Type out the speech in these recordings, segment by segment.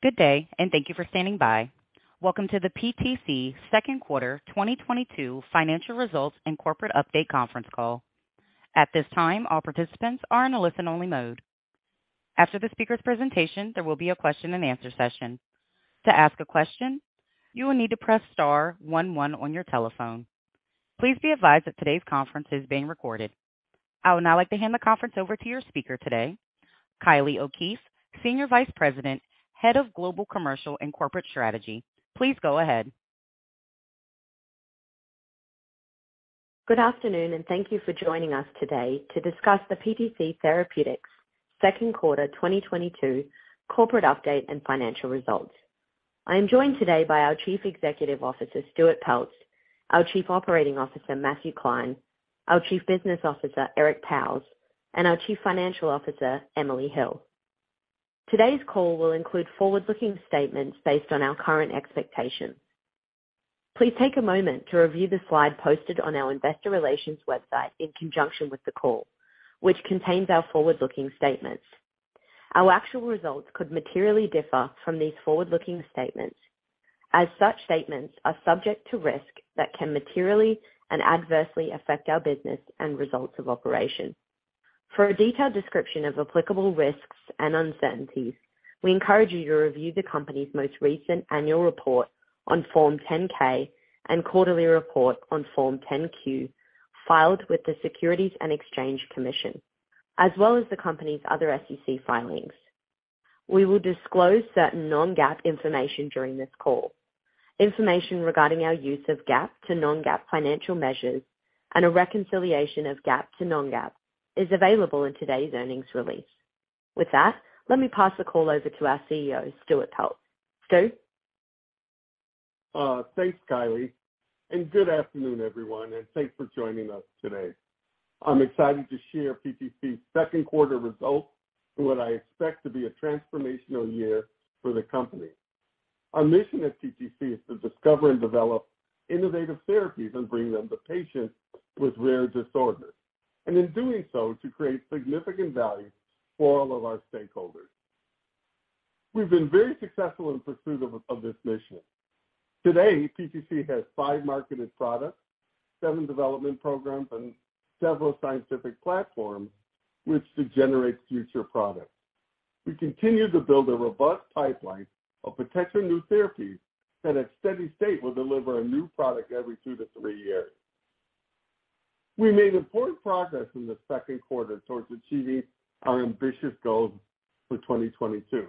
Good day, and thank you for standing by. Welcome to the PTC second quarter 2022 financial results and corporate update conference call. At this time, all participants are in a listen-only mode. After the speaker's presentation, there will be a question-and-answer session. To ask a question, you will need to press star one one on your telephone. Please be advised that today's conference is being recorded. I would now like to hand the conference over to your speaker today, Kylie O'Keefe, Senior Vice President, Head of Global Commercial and Corporate Strategy. Please go ahead. Good afternoon, and thank you for joining us today to discuss the PTC Therapeutics second quarter 2022 corporate update and financial results. I am joined today by our Chief Executive Officer, Stuart Peltz, our Chief Operating Officer, Matthew Klein, our Chief Business Officer, Eric Pauwels, and our Chief Financial Officer, Emily Hill. Today's call will include forward-looking statements based on our current expectations. Please take a moment to review the slide posted on our investor relations website in conjunction with the call, which contains our forward-looking statements. Our actual results could materially differ from these forward-looking statements. As such statements are subject to risk that can materially and adversely affect our business and results of operation. For a detailed description of applicable risks and uncertainties, we encourage you to review the company's most recent annual report on Form 10-K and quarterly report on Form 10-Q filed with the Securities and Exchange Commission, as well as the company's other SEC filings. We will disclose certain non-GAAP information during this call. Information regarding our use of GAAP to non-GAAP financial measures and a reconciliation of GAAP to non-GAAP is available in today's earnings release. With that, let me pass the call over to our CEO, Stuart Peltz. Stu? Thanks, Kylie, and good afternoon, everyone, and thanks for joining us today. I'm excited to share PTC's second quarter results for what I expect to be a transformational year for the company. Our mission at PTC is to discover and develop innovative therapies and bring them to patients with rare disorders, and in doing so to create significant value for all of our stakeholders. We've been very successful in pursuit of this mission. Today, PTC has five marketed products, seven development programs, and several scientific platforms which to generate future products. We continue to build a robust pipeline of potential new therapies that at steady state will deliver a new product every two to three years. We made important progress in the second quarter towards achieving our ambitious goals for 2022.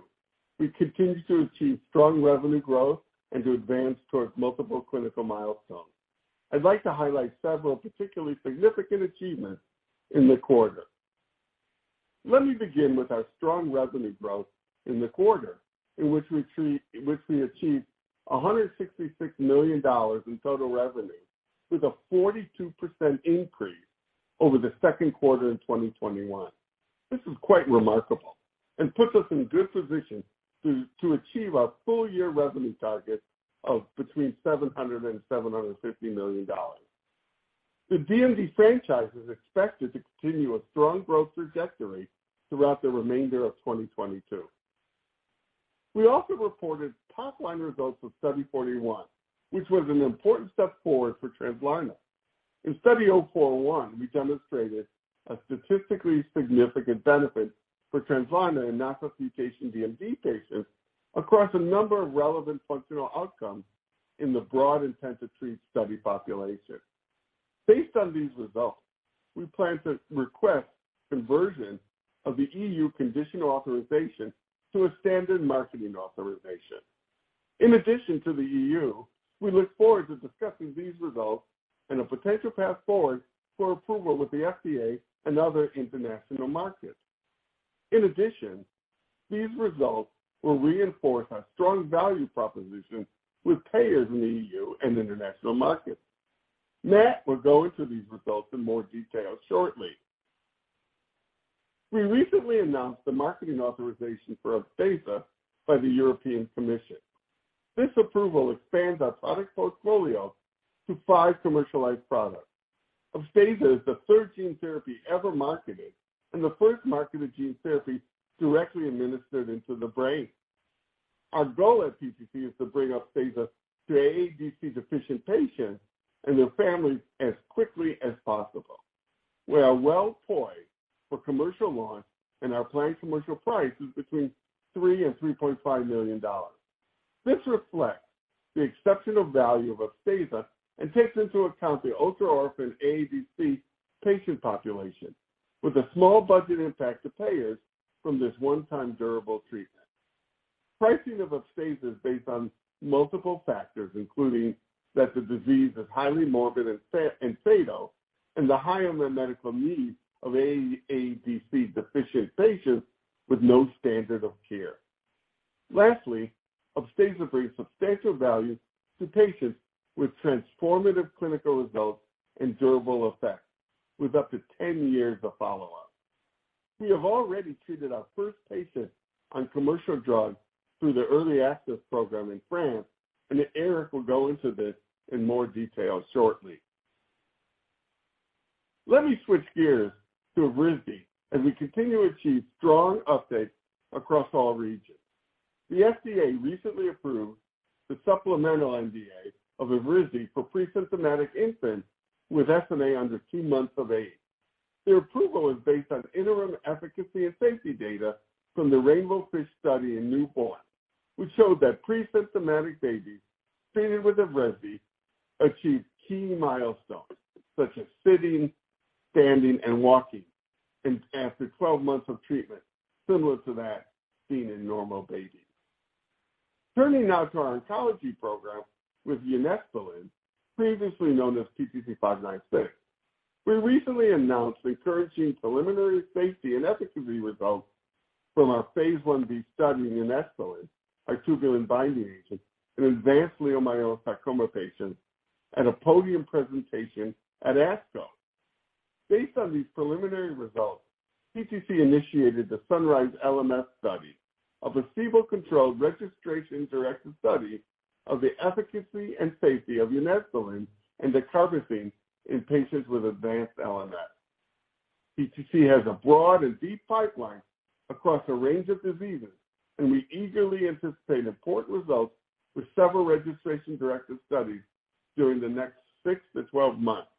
We continue to achieve strong revenue growth and to advance towards multiple clinical milestones. I'd like to highlight several particularly significant achievements in the quarter. Let me begin with our strong revenue growth in the quarter, in which we achieved $166 million in total revenue, with a 42% increase over the second quarter of 2021. This is quite remarkable and puts us in good position to achieve our full year revenue target of between $700 million and $750 million. The DMD franchise is expected to continue a strong growth trajectory throughout the remainder of 2022. We also reported top-line results of Study 041, which was an important step forward for Translarna. In Study 041, we demonstrated a statistically significant benefit for Translarna in nonsense mutation DMD patients across a number of relevant functional outcomes in the broad intention-to-treat study population. Based on these results, we plan to request conversion of the E.U. conditional authorization to a standard marketing authorization. In addition to the E.U., we look forward to discussing these results and a potential path forward for approval with the FDA and other international markets. In addition, these results will reinforce our strong value proposition with payers in the E.U. and international markets. Matt will go into these results in more detail shortly. We recently announced the marketing authorization for Upstaza by the European Commission. This approval expands our product portfolio to five commercialized products. Upstaza is the third gene therapy ever marketed and the first marketed gene therapy directly administered into the brain. Our goal at PTC is to bring Upstaza to AADC-deficient patients and their families as quickly as possible. We are well poised for commercial launch and our planned commercial price is between $3 million and $3.5 million. This reflects the exceptional value of Upstaza and takes into account the ultra-orphan AADC patient population with a small budget impact to payers from this one-time durable treatment. Pricing of Upstaza is based on multiple factors, including that the disease is highly morbid and fatal and the high unmet medical needs of AADC-deficient patients with no standard of care. Lastly, Upstaza brings substantial value to patients with transformative clinical results and durable effects, with up to 10 years of follow-up. We have already treated our first patient on commercial drug through the early access program in France, and Eric will go into this in more detail shortly. Let me switch gears to Evrysdi as we continue to achieve strong updates across all regions. The FDA recently approved the supplemental NDA of Evrysdi for pre-symptomatic infants with SMA under two months of age. Their approval is based on interim efficacy and safety data from the RAINBOWFISH study in newborns, which showed that pre-symptomatic babies treated with Evrysdi achieved key milestones such as sitting, standing, and walking after 12 months of treatment, similar to that seen in normal babies. Turning now to our oncology program with unesbulin, previously known as PTC596. We recently announced encouraging preliminary safety and efficacy results from our phase I-B study in unesbulin, a tubulin binding agent in advanced leiomyosarcoma patients at a podium presentation at ASCO. Based on these preliminary results, PTC initiated the SUNRISE LMS study, a placebo-controlled registration-directed study of the efficacy and safety of unesbulin and dacarbazine in patients with advanced LMS. PTC has a broad and deep pipeline across a range of diseases, and we eagerly anticipate important results with several registration-directed studies during the next six to twelve months.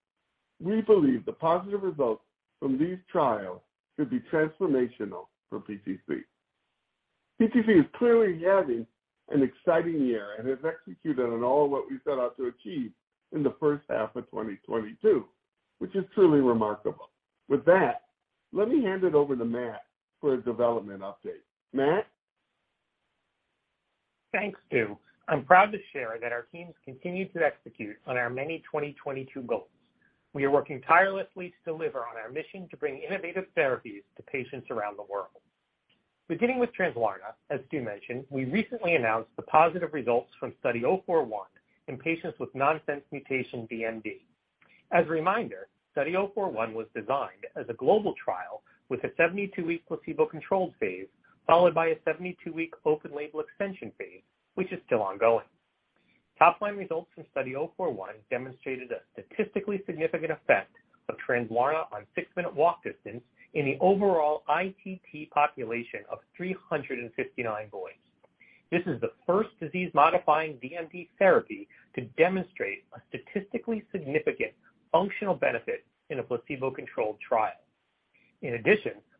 We believe the positive results from these trials could be transformational for PTC. PTC is clearly having an exciting year and has executed on all that we set out to achieve in the first half of 2022, which is truly remarkable. With that, let me hand it over to Matt for a development update. Matt? Thanks, Stu. I'm proud to share that our teams continue to execute on our many 2022 goals. We are working tirelessly to deliver on our mission to bring innovative therapies to patients around the world. Beginning with Translarna, as Stu mentioned, we recently announced the positive results from Study 041 in patients with nonsense mutation DMD. As a reminder, Study 041 was designed as a global trial with a 72-week placebo-controlled phase, followed by a 72-week open label extension phase, which is still ongoing. Topline results from Study 041 demonstrated a statistically significant effect of Translarna on six-minute walk distance in the overall ITT population of 359 boys. This is the first disease-modifying DMD therapy to demonstrate a statistically significant functional benefit in a placebo-controlled trial.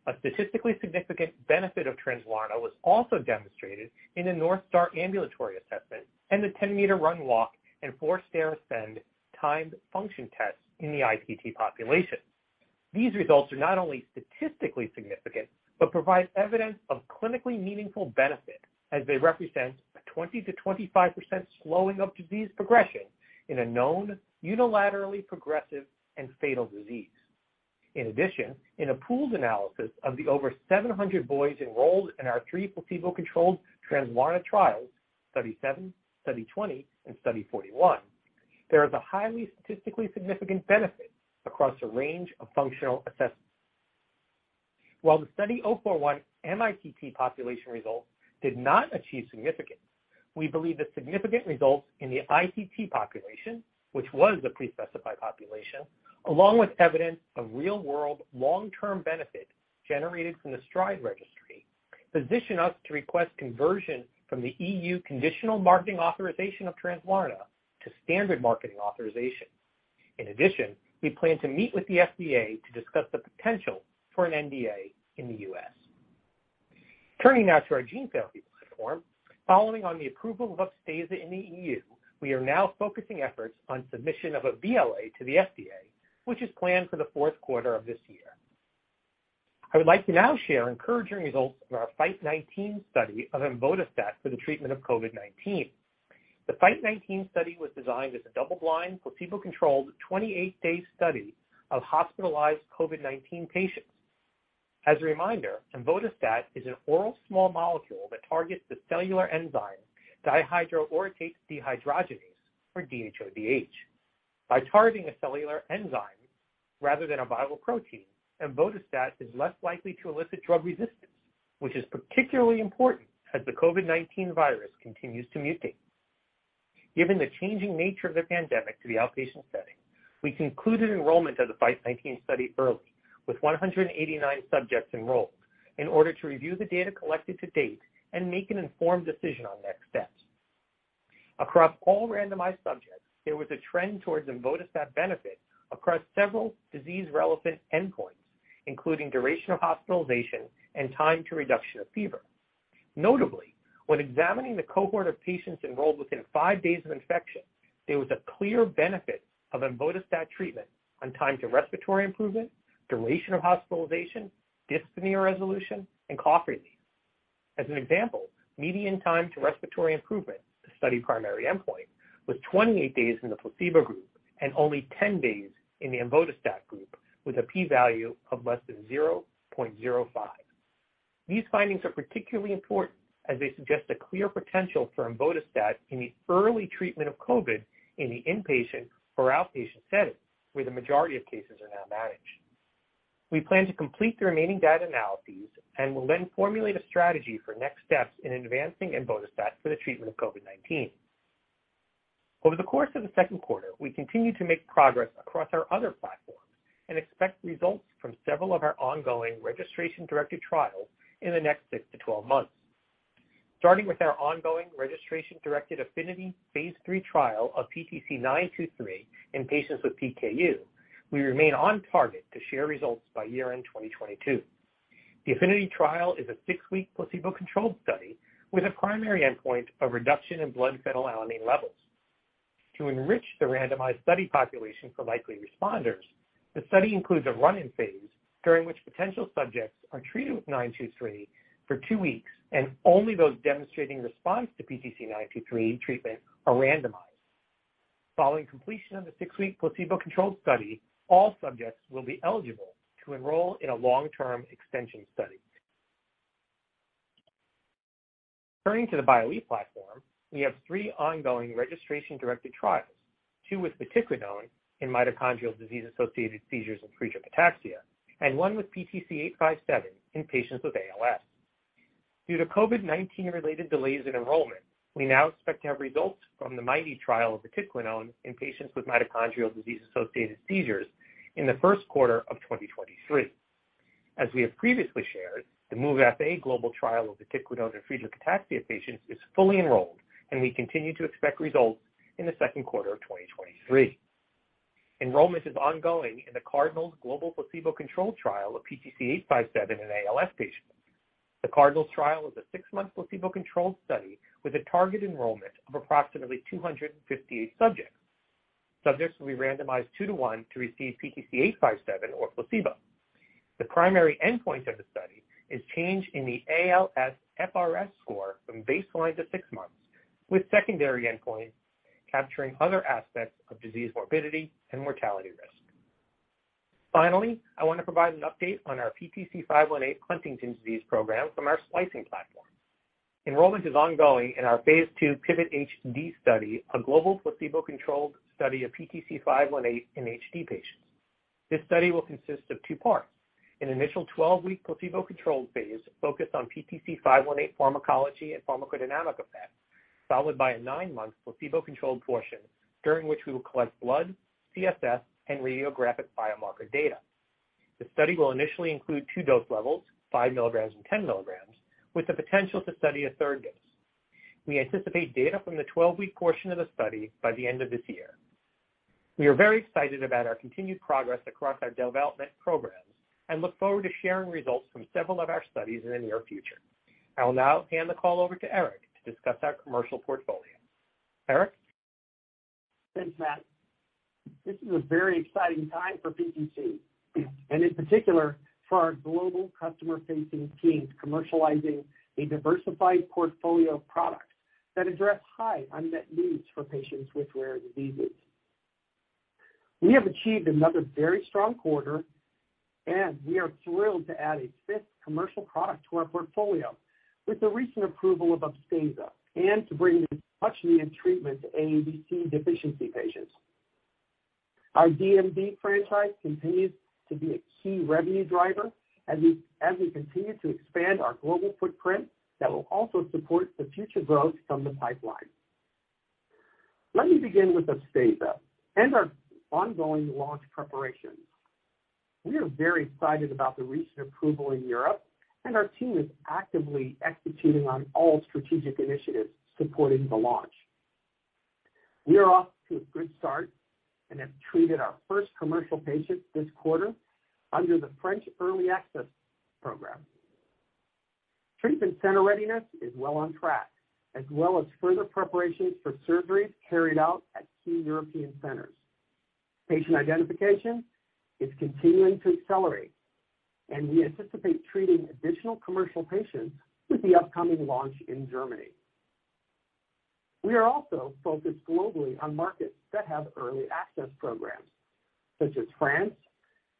A statistically significant benefit of Translarna was also demonstrated in the North Star Ambulatory Assessment and the 10 m run/walk and four-stair ascend timed function tests in the ITT population. These results are not only statistically significant, but provide evidence of clinically meaningful benefit as they represent a 20%-25% slowing of disease progression in a known unilaterally progressive and fatal disease. In addition, in a pooled analysis of the over 700 boys enrolled in our three placebo-controlled Translarna trials, Study 007, Study 020, and Study 041, there is a highly statistically significant benefit across a range of functional assessments. While the Study 041 MITT population results did not achieve significance, we believe the significant results in the ITT population, which was the pre-specified population, along with evidence of real-world long-term benefit generated from the STRIDE registry, position us to request conversion from the E.U. conditional marketing authorization of Translarna to standard marketing authorization. In addition, we plan to meet with the FDA to discuss the potential for an NDA in the U.S. Turning now to our gene therapy platform. Following on the approval of Upstaza in the E.U., we are now focusing efforts on submission of a BLA to the FDA, which is planned for the fourth quarter of this year. I would like to now share encouraging results from our FITE19 study of emvododstat for the treatment of COVID-19. The FITE19 study was designed as a double-blind, placebo-controlled, 28-day study of hospitalized COVID-19 patients. As a reminder, emvododstat is an oral small molecule that targets the cellular enzyme dihydroorotate dehydrogenase, or DHODH. By targeting a cellular enzyme rather than a viral protein, emvododstat is less likely to elicit drug resistance, which is particularly important as the COVID-19 virus continues to mutate. Given the changing nature of the pandemic to the outpatient setting, we concluded enrollment of the FITE19 study early, with 189 subjects enrolled in order to review the data collected to date and make an informed decision on next steps. Across all randomized subjects, there was a trend towards emvododstat benefit across several disease-relevant endpoints, including duration of hospitalization and time to reduction of fever. Notably, when examining the cohort of patients enrolled within five days of infection, there was a clear benefit of emvododstat treatment on time to respiratory improvement, duration of hospitalization, dyspnea resolution, and cough relief. As an example, median time to respiratory improvement, the study primary endpoint, was 28 days in the placebo group and only 10 days in the emvododstat group, with a P value of less than 0.05. These findings are particularly important as they suggest a clear potential for emvododstat in the early treatment of COVID in the inpatient or outpatient setting, where the majority of cases are now managed. We plan to complete the remaining data analyses and will then formulate a strategy for next steps in advancing emvododstat for the treatment of COVID-19. Over the course of the second quarter, we continued to make progress across our other platforms and expect results from several of our ongoing registration-directed trials in the next six to 12 months. Starting with our ongoing registration-directed APHENITY phase III trial of PTC923 in patients with PKU, we remain on target to share results by year-end 2022. The APHENITY trial is a six-week placebo-controlled study with a primary endpoint of reduction in blood phenylalanine levels. To enrich the randomized study population for likely responders, the study includes a run-in phase during which potential subjects are treated with 923 for two weeks, and only those demonstrating response to PTC923 treatment are randomized. Following completion of the six-week placebo-controlled study, all subjects will be eligible to enroll in a long-term extension study. Turning to the Bio-e platform, we have three ongoing registration-directed trials, two with vatiquinone in mitochondrial disease-associated seizures and Friedreich ataxia, and one with PTC857 in patients with ALS. Due to COVID-19 related delays in enrollment, we now expect to have results from the MIT-E trial of vatiquinone in patients with mitochondrial disease-associated seizures in the first quarter of 2023. As we have previously shared, the MOVE-FA global trial of vatiquinone in Friedreich ataxia patients is fully enrolled, and we continue to expect results in the second quarter of 2023. Enrollment is ongoing in the CardinALS global placebo-controlled trial of PTC857 in ALS patients. The CardinALS trial is a six-month placebo-controlled study with a target enrollment of approximately 258 subjects. Subjects will be randomized two to one to receive PTC857 or placebo. The primary endpoint of the study is change in the ALSFRS-R score from baseline to six months, with secondary endpoints capturing other aspects of disease morbidity and mortality risk. Finally, I want to provide an update on our PTC518 Huntington's disease program from our splicing platform. Enrollment is ongoing in our phase II PIVOT-HD study, a global placebo-controlled study of PTC518 in HD patients. This study will consist of two parts, an initial 12-week placebo-controlled phase focused on PTC518 pharmacology and pharmacodynamic effects, followed by a nine-month placebo-controlled portion during which we will collect blood, CSF, and radiographic biomarker data. The study will initially include two dose levels, 5 mg and 10 mg, with the potential to study a third dose. We anticipate data from the 12-week portion of the study by the end of this year. We are very excited about our continued progress across our development programs and look forward to sharing results from several of our studies in the near future. I will now hand the call over to Eric to discuss our commercial portfolio. Eric? Thanks, Matt. This is a very exciting time for PTC and in particular for our global customer-facing teams commercializing a diversified portfolio of products that address high unmet needs for patients with rare diseases. We have achieved another very strong quarter, and we are thrilled to add a fifth commercial product to our portfolio with the recent approval of Upstaza and to bring this much-needed treatment to AADC deficiency patients. Our DMD franchise continues to be a key revenue driver as we continue to expand our global footprint that will also support the future growth from the pipeline. Let me begin with Upstaza and our ongoing launch preparations. We are very excited about the recent approval in Europe, and our team is actively executing on all strategic initiatives supporting the launch. We are off to a good start and have treated our first commercial patients this quarter under the French Early Access Program. Treatment center readiness is well on track, as well as further preparations for surgeries carried out at key European centers. Patient identification is continuing to accelerate, and we anticipate treating additional commercial patients with the upcoming launch in Germany. We are also focused globally on markets that have early access programs such as France,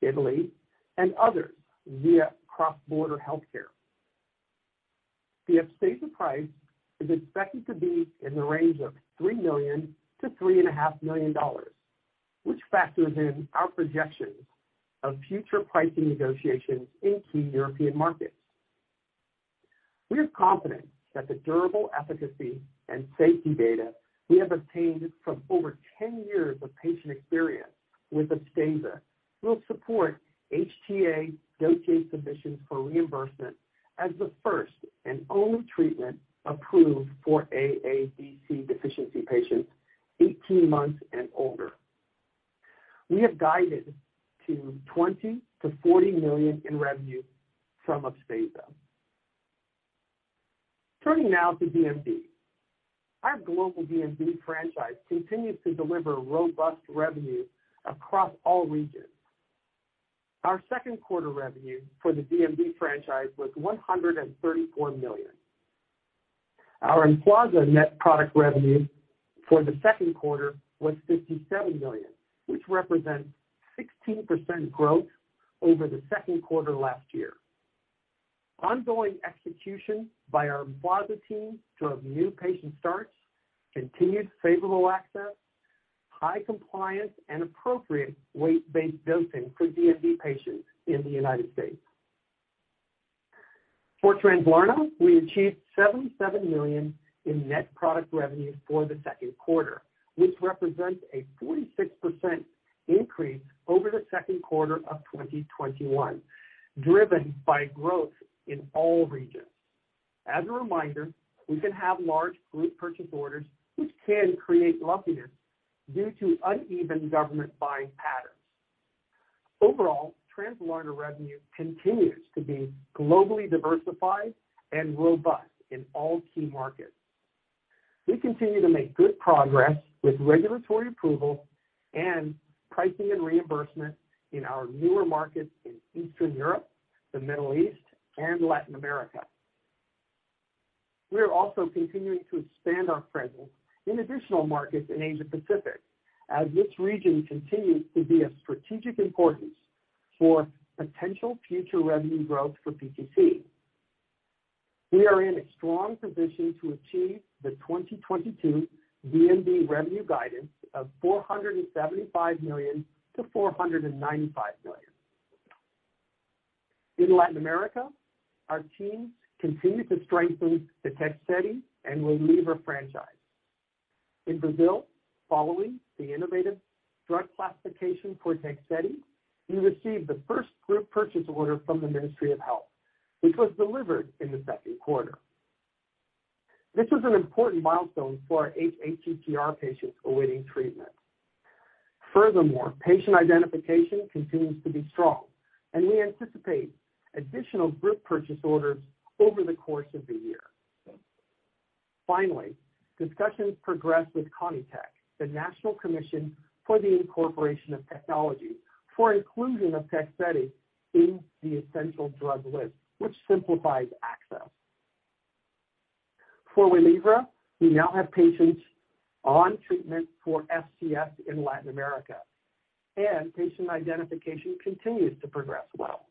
Italy, and others via cross-border healthcare. The Upstaza price is expected to be in the range of $3 million-$3.5 million, which factors in our projections of future pricing negotiations in key European markets. We are confident that the durable efficacy and safety data we have obtained from over 10 years of patient experience with Upstaza will support HTA submissions for reimbursement as the first and only treatment approved for AADC deficiency patients 18 months and older. We have guided to $20 million-$40 million in revenue from Upstaza. Turning now to DMD. Our global DMD franchise continues to deliver robust revenue across all regions. Our second quarter revenue for the DMD franchise was $134 million. Our EMFLAZA net product revenue for the second quarter was $57 million, which represents 16% growth over the second quarter last year. Ongoing execution by our EMFLAZA team drove new patient starts, continued favorable access, high compliance, and appropriate weight-based dosing for DMD patients in the United States. For Translarna, we achieved $77 million in net product revenue for the second quarter, which represents a 46% increase over the second quarter of 2021, driven by growth in all regions. As a reminder, we can have large group purchase orders which can create lumpiness due to uneven government buying patterns. Overall, Translarna revenue continues to be globally diversified and robust in all key markets. We continue to make good progress with regulatory approval and pricing and reimbursement in our newer markets in Eastern Europe, the Middle East, and Latin America. We are also continuing to expand our presence in additional markets in Asia-Pacific as this region continues to be of strategic importance for potential future revenue growth for PTC. We are in a strong position to achieve the 2022 DMD revenue guidance of $475 million-$495 million. In Latin America, our teams continue to strengthen the Translarna and Waylivra franchise. In Brazil, following the innovative drug classification for Translarna, we received the first group purchase order from the Ministry of Health, which was delivered in the second quarter. This is an important milestone for our nmDMD patients awaiting treatment. Furthermore, patient identification continues to be strong and we anticipate additional group purchase orders over the course of the year. Finally, discussions progressed with CONITEC, the National Commission for the Incorporation of Technology, for inclusion of Translarna in the essential drug list, which simplifies access. For Waylivra, we now have patients on treatment for FCS in Latin America, and patient identification continues to progress well.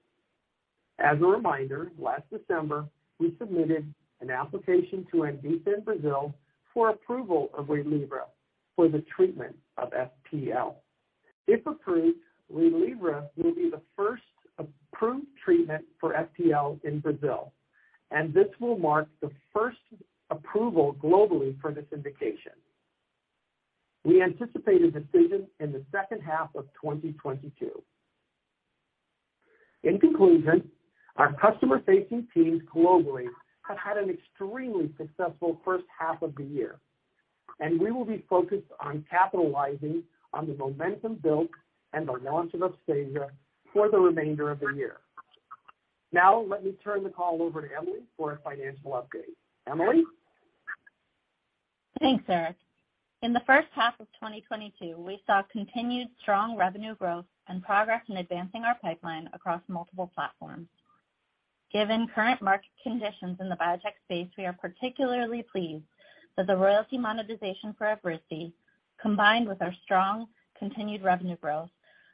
As a reminder, last December, we submitted an application to ANVISA in Brazil for approval of Waylivra for the treatment of FPL. If approved, Waylivra will be the first approved treatment for FPL in Brazil, and this will mark the first approval globally for this indication. We anticipate a decision in the second half of 2022. In conclusion, our customer-facing teams globally have had an extremely successful first half of the year, and we will be focused on capitalizing on the momentum built and the launch of Upstaza for the remainder of the year. Now let me turn the call over to Emily for a financial update. Emily? Thanks, Eric. In the first half of 2022, we saw continued strong revenue growth and progress in advancing our pipeline across multiple platforms. Given current market conditions in the biotech space, we are particularly pleased that the royalty monetization for Evrysdi, combined with our strong continued revenue growth,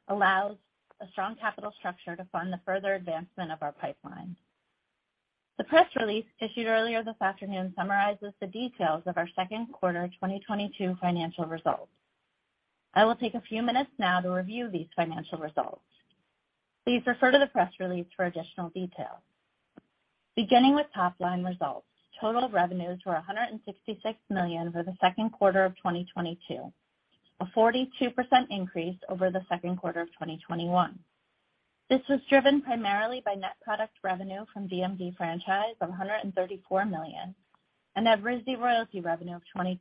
allows a strong capital structure to fund the further advancement of our pipeline. The press release issued earlier this afternoon summarizes the details of our second quarter 2022 financial results. I will take a few minutes now to review these financial results. Please refer to the press release for additional details. Beginning with top-line results, total revenues were $166 million for the second quarter of 2022, a 42% increase over the second quarter of 2021. This was driven primarily by net product revenue from DMD franchise of $134 million and Evrysdi royalty revenue of $22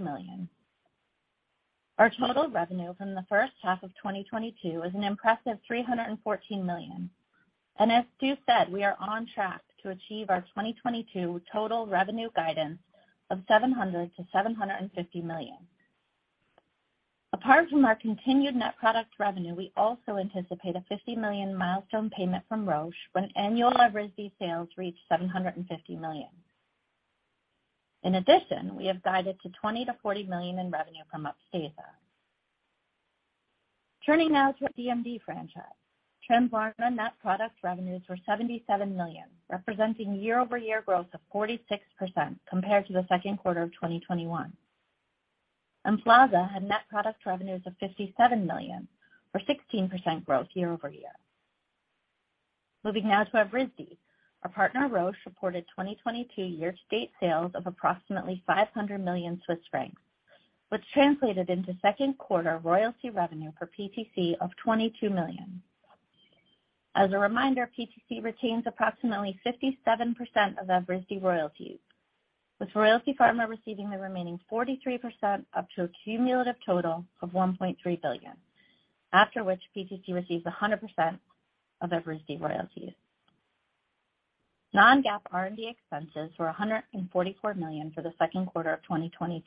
million. Our total revenue from the first half of 2022 is an impressive $314 million. As Stu said, we are on track to achieve our 2022 total revenue guidance of $700 million-$750 million. Apart from our continued net product revenue, we also anticipate a $50 million milestone payment from Roche when annual Evrysdi sales reach $750 million. In addition, we have guided to $20 million-$40 million in revenue from Upstaza. Turning now to our DMD franchise. Translarna net product revenues were $77 million, representing year-over-year growth of 46% compared to the second quarter of 2021. EMFLAZA had net product revenues of $57 million or 16% growth year-over-year. Moving now to Evrysdi. Our partner, Roche, reported 2022 year-to-date sales of approximately 500 million Swiss francs, which translated into second quarter royalty revenue for PTC of $22 million. As a reminder, PTC retains approximately 57% of Evrysdi royalties, with Royalty Pharma receiving the remaining 43% up to a cumulative total of $1.3 billion. After which PTC receives 100% of Evrysdi royalties. Non-GAAP R&D expenses were $144 million for the second quarter of 2022,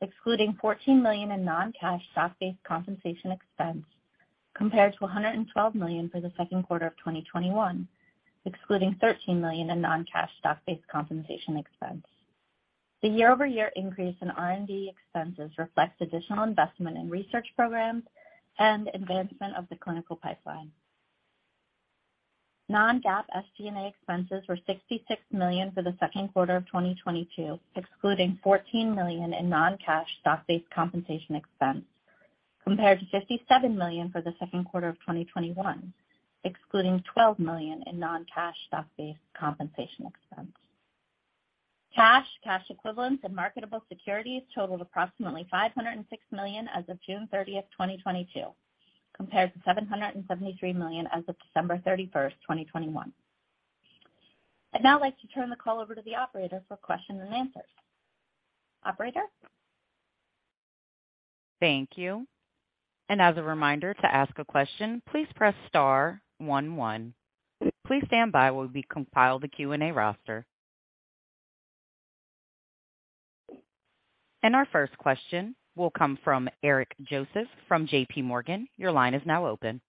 excluding $14 million in non-cash stock-based compensation expense, compared to $112 million for the second quarter of 2021, excluding $13 million in non-cash stock-based compensation expense. The year-over-year increase in R&D expenses reflects additional investment in research programs and advancement of the clinical pipeline. Non-GAAP SG&A expenses were $66 million for the second quarter of 2022, excluding $14 million in non-cash stock-based compensation expense. Compared to $57 million for the second quarter of 2021, excluding $12 million in non-cash stock-based compensation expense. Cash, cash equivalents, and marketable securities totaled approximately $506 million as of June 30th, 2022, compared to $773 million as of December 31st, 2021. I'd now like to turn the call over to the operator for question and answers. Operator? Thank you. As a reminder, to ask a question, please press star one one. Please stand by while we compile the Q&A roster. Our first question will come from Eric Joseph from JPMorgan. Your line is now open.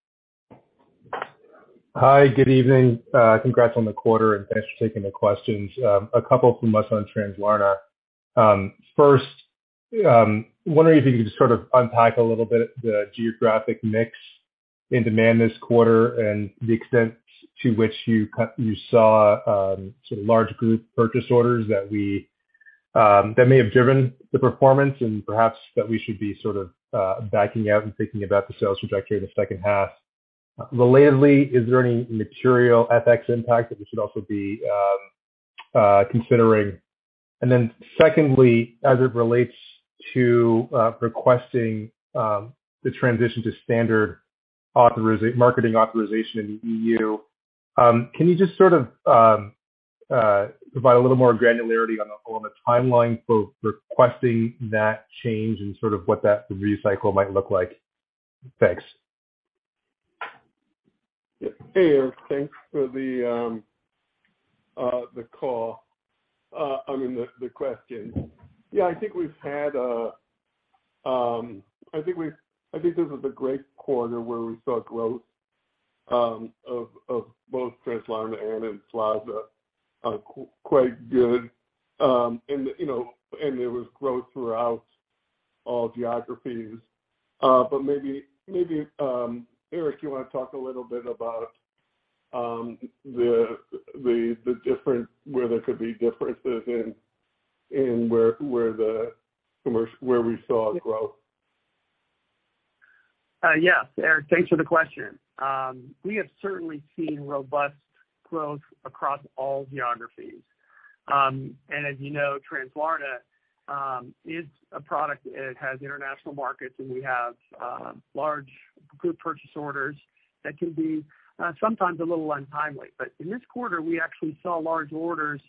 Hi, good evening. Congrats on the quarter, and thanks for taking the questions. A couple from us on Translarna. First, wondering if you can just sort of unpack a little bit the geographic mix in demand this quarter and the extent to which you saw some large group purchase orders that may have driven the performance and perhaps that we should be sort of backing out and thinking about the sales trajectory in the second half. Relatedly, is there any material FX impact that we should also be considering? Secondly, as it relates to requesting the transition to standard marketing authorization in the E.U., can you just sort of provide a little more granularity on the timeline for requesting that change and sort of what that review cycle might look like? Thanks. Yeah. Hey, Eric, thanks for the question. Yeah, I think this was a great quarter where we saw growth of both Translarna and EMFLAZA, quite good. You know, there was growth throughout all geographies. Maybe, Eric, you wanna talk a little bit about where there could be differences in where we saw growth. Yes. Eric, thanks for the question. We have certainly seen robust growth across all geographies. As you know, Translarna is a product that has international markets, and we have large group purchase orders that can be sometimes a little untimely. In this quarter, we actually saw large orders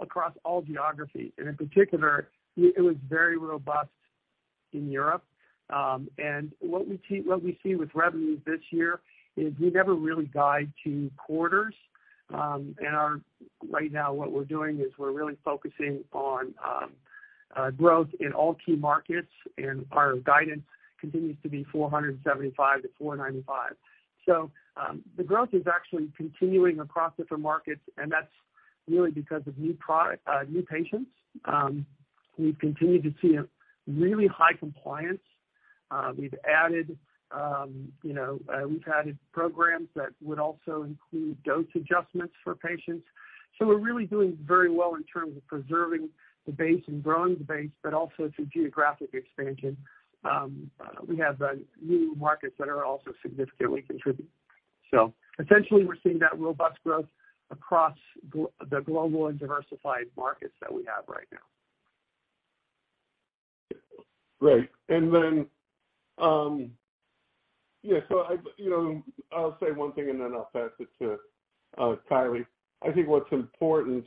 across all geographies. In particular, it was very robust in Europe. What we see with revenues this year is we never really guide to quarters. Right now what we're doing is we're really focusing on growth in all key markets, and our guidance continues to be $475 million-$495 million. The growth is actually continuing across different markets, and that's really because of new product, new patients. We've continued to see a really high compliance. We've added, you know, programs that would also include dose adjustments for patients. We're really doing very well in terms of preserving the base and growing the base, but also through geographic expansion. We have new markets that are also significantly contributing. Essentially, we're seeing that robust growth across the global and diversified markets that we have right now. Right. I you know, I'll say one thing and then I'll pass it to Kylie. I think what's important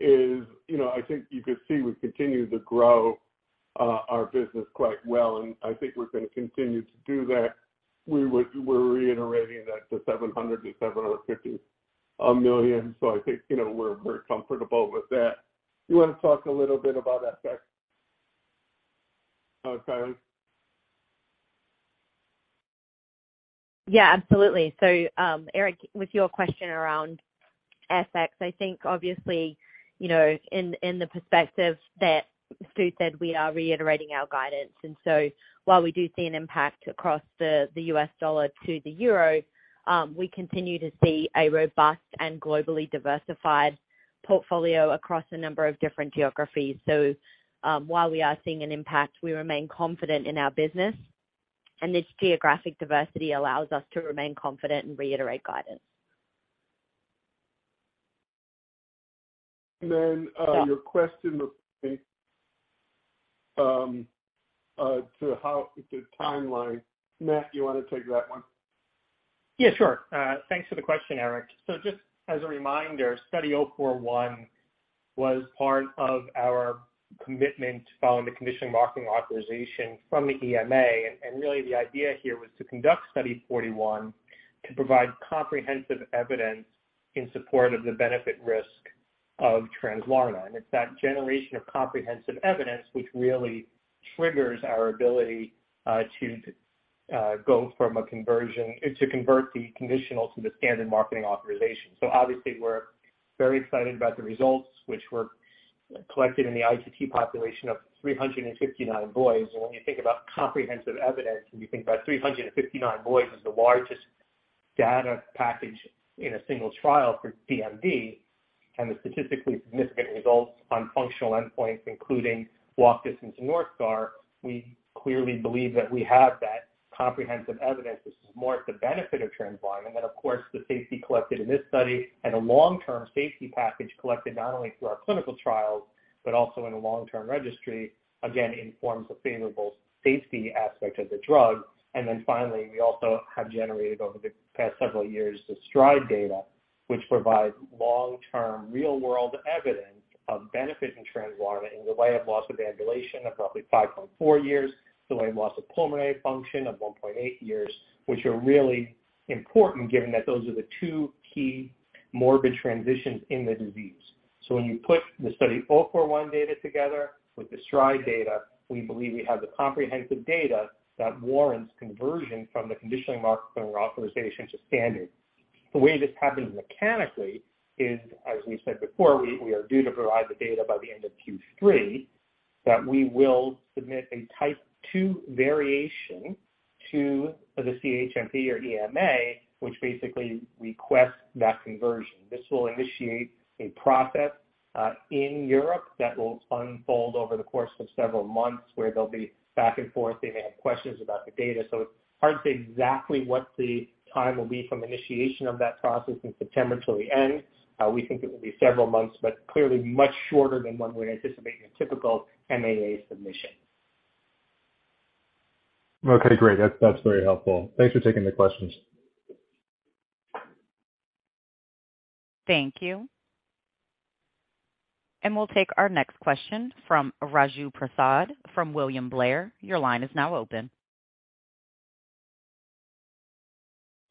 is, you know, I think you could see we've continued to grow our business quite well, and I think we're gonna continue to do that. We're reiterating that to $700 million-$750 million. I think, you know, we're very comfortable with that. You wanna talk a little bit about FX, Kylie? Yeah, absolutely. Eric, with your question around FX, I think obviously, you know, in the perspective that Stu said, we are reiterating our guidance. While we do see an impact across the US dollar to the euro, we continue to see a robust and globally diversified portfolio across a number of different geographies. While we are seeing an impact, we remain confident in our business, and this geographic diversity allows us to remain confident and reiterate guidance. Your question, I think, the timeline. Matt, you wanna take that one? Yeah, sure. Thanks for the question, Eric. Just as a reminder, Study 041 was part of our commitment following the conditional marketing authorization from the EMA. Really the idea here was to conduct Study 041 to provide comprehensive evidence in support of the benefit risk of Translarna. It's that generation of comprehensive evidence which really triggers our ability to go from conditional and to convert the conditional to the standard marketing authorization. Obviously we're very excited about the results which were collected in the ITT population of 359 boys. When you think about comprehensive evidence, and you think about 359 boys as the largest data package in a single trial for DMD and the statistically significant results on functional endpoints, including walk distance North Star, we clearly believe that we have that comprehensive evidence. This is more to the benefit of Translarna. Of course, the safety collected in this study and a long-term safety package collected not only through our clinical trials, but also in a long-term registry, again informs the favorable safety aspect of the drug. Finally, we also have generated over the past several years the STRIDE data, which provides long-term real-world evidence of benefit in Translarna in delay of loss of ambulation of roughly 5.4 years, delay in loss of pulmonary function of 1.8 years, which are really important given that those are the two key morbid transitions in the disease. When you put the Study 041 data together with the STRIDE data, we believe we have the comprehensive data that warrants conversion from the conditional marketing authorization to standard. The way this happens mechanically is, as we said before, we are due to provide the data by the end of Q3 that we will submit a type II variation to the CHMP or EMA, which basically requests that conversion. This will initiate a process in Europe that will unfold over the course of several months, where they'll be back and forth if they have questions about the data. It's hard to say exactly what the time will be from initiation of that process in September till the end. We think it will be several months, but clearly much shorter than one would anticipate in a typical MAA submission. Okay, great. That's very helpful. Thanks for taking the questions. Thank you. We'll take our next question from Raju Prasad from William Blair. Your line is now open.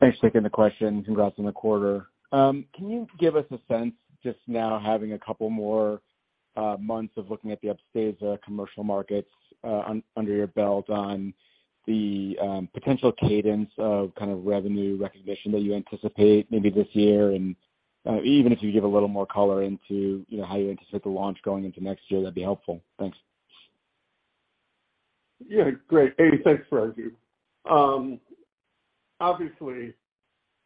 Thanks for taking the question. Congrats on the quarter. Can you give us a sense, just now having a couple more months of looking at the Upstaza commercial markets under your belt on the potential cadence of kind of revenue recognition that you anticipate maybe this year? Even if you give a little more color into, you know, how you anticipate the launch going into next year, that'd be helpful. Thanks. Yeah. Great. Hey, thanks, Raju. Obviously,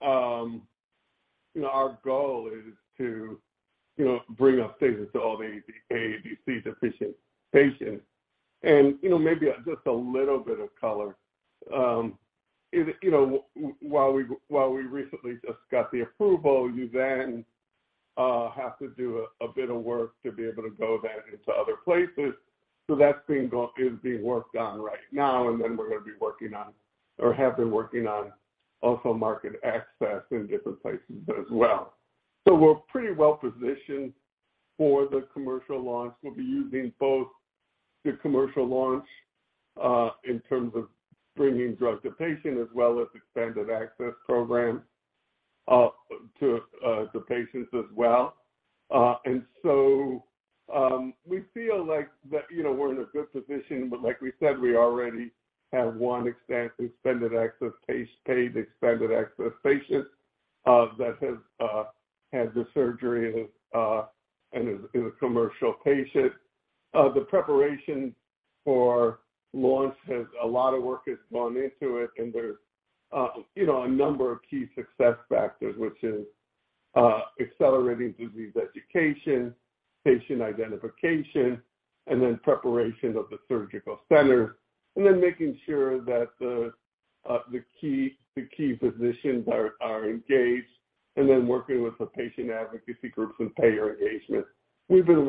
you know, our goal is to, you know, bring Upstaza to all the AADC deficient patients. You know, maybe just a little bit of color. You know, while we recently just got the approval, then you have to do a bit of work to be able to go then into other places. That's being worked on right now, and then we're gonna be working on or have been working on also market access in different places as well. We're pretty well positioned for the commercial launch. We'll be using both the commercial launch in terms of bringing drug to patient as well as expanded access program to patients as well. We feel like that, you know, we're in a good position. Like we said, we already have one expanded access case, paid expanded access patient, that has had the surgery and is a commercial patient. The preparation for launch has a lot of work has gone into it. There's you know, a number of key success factors, which is accelerating disease education, patient identification, and then preparation of the surgical center, and then making sure that the key physicians are engaged, and then working with the patient advocacy groups and payer engagement. We've been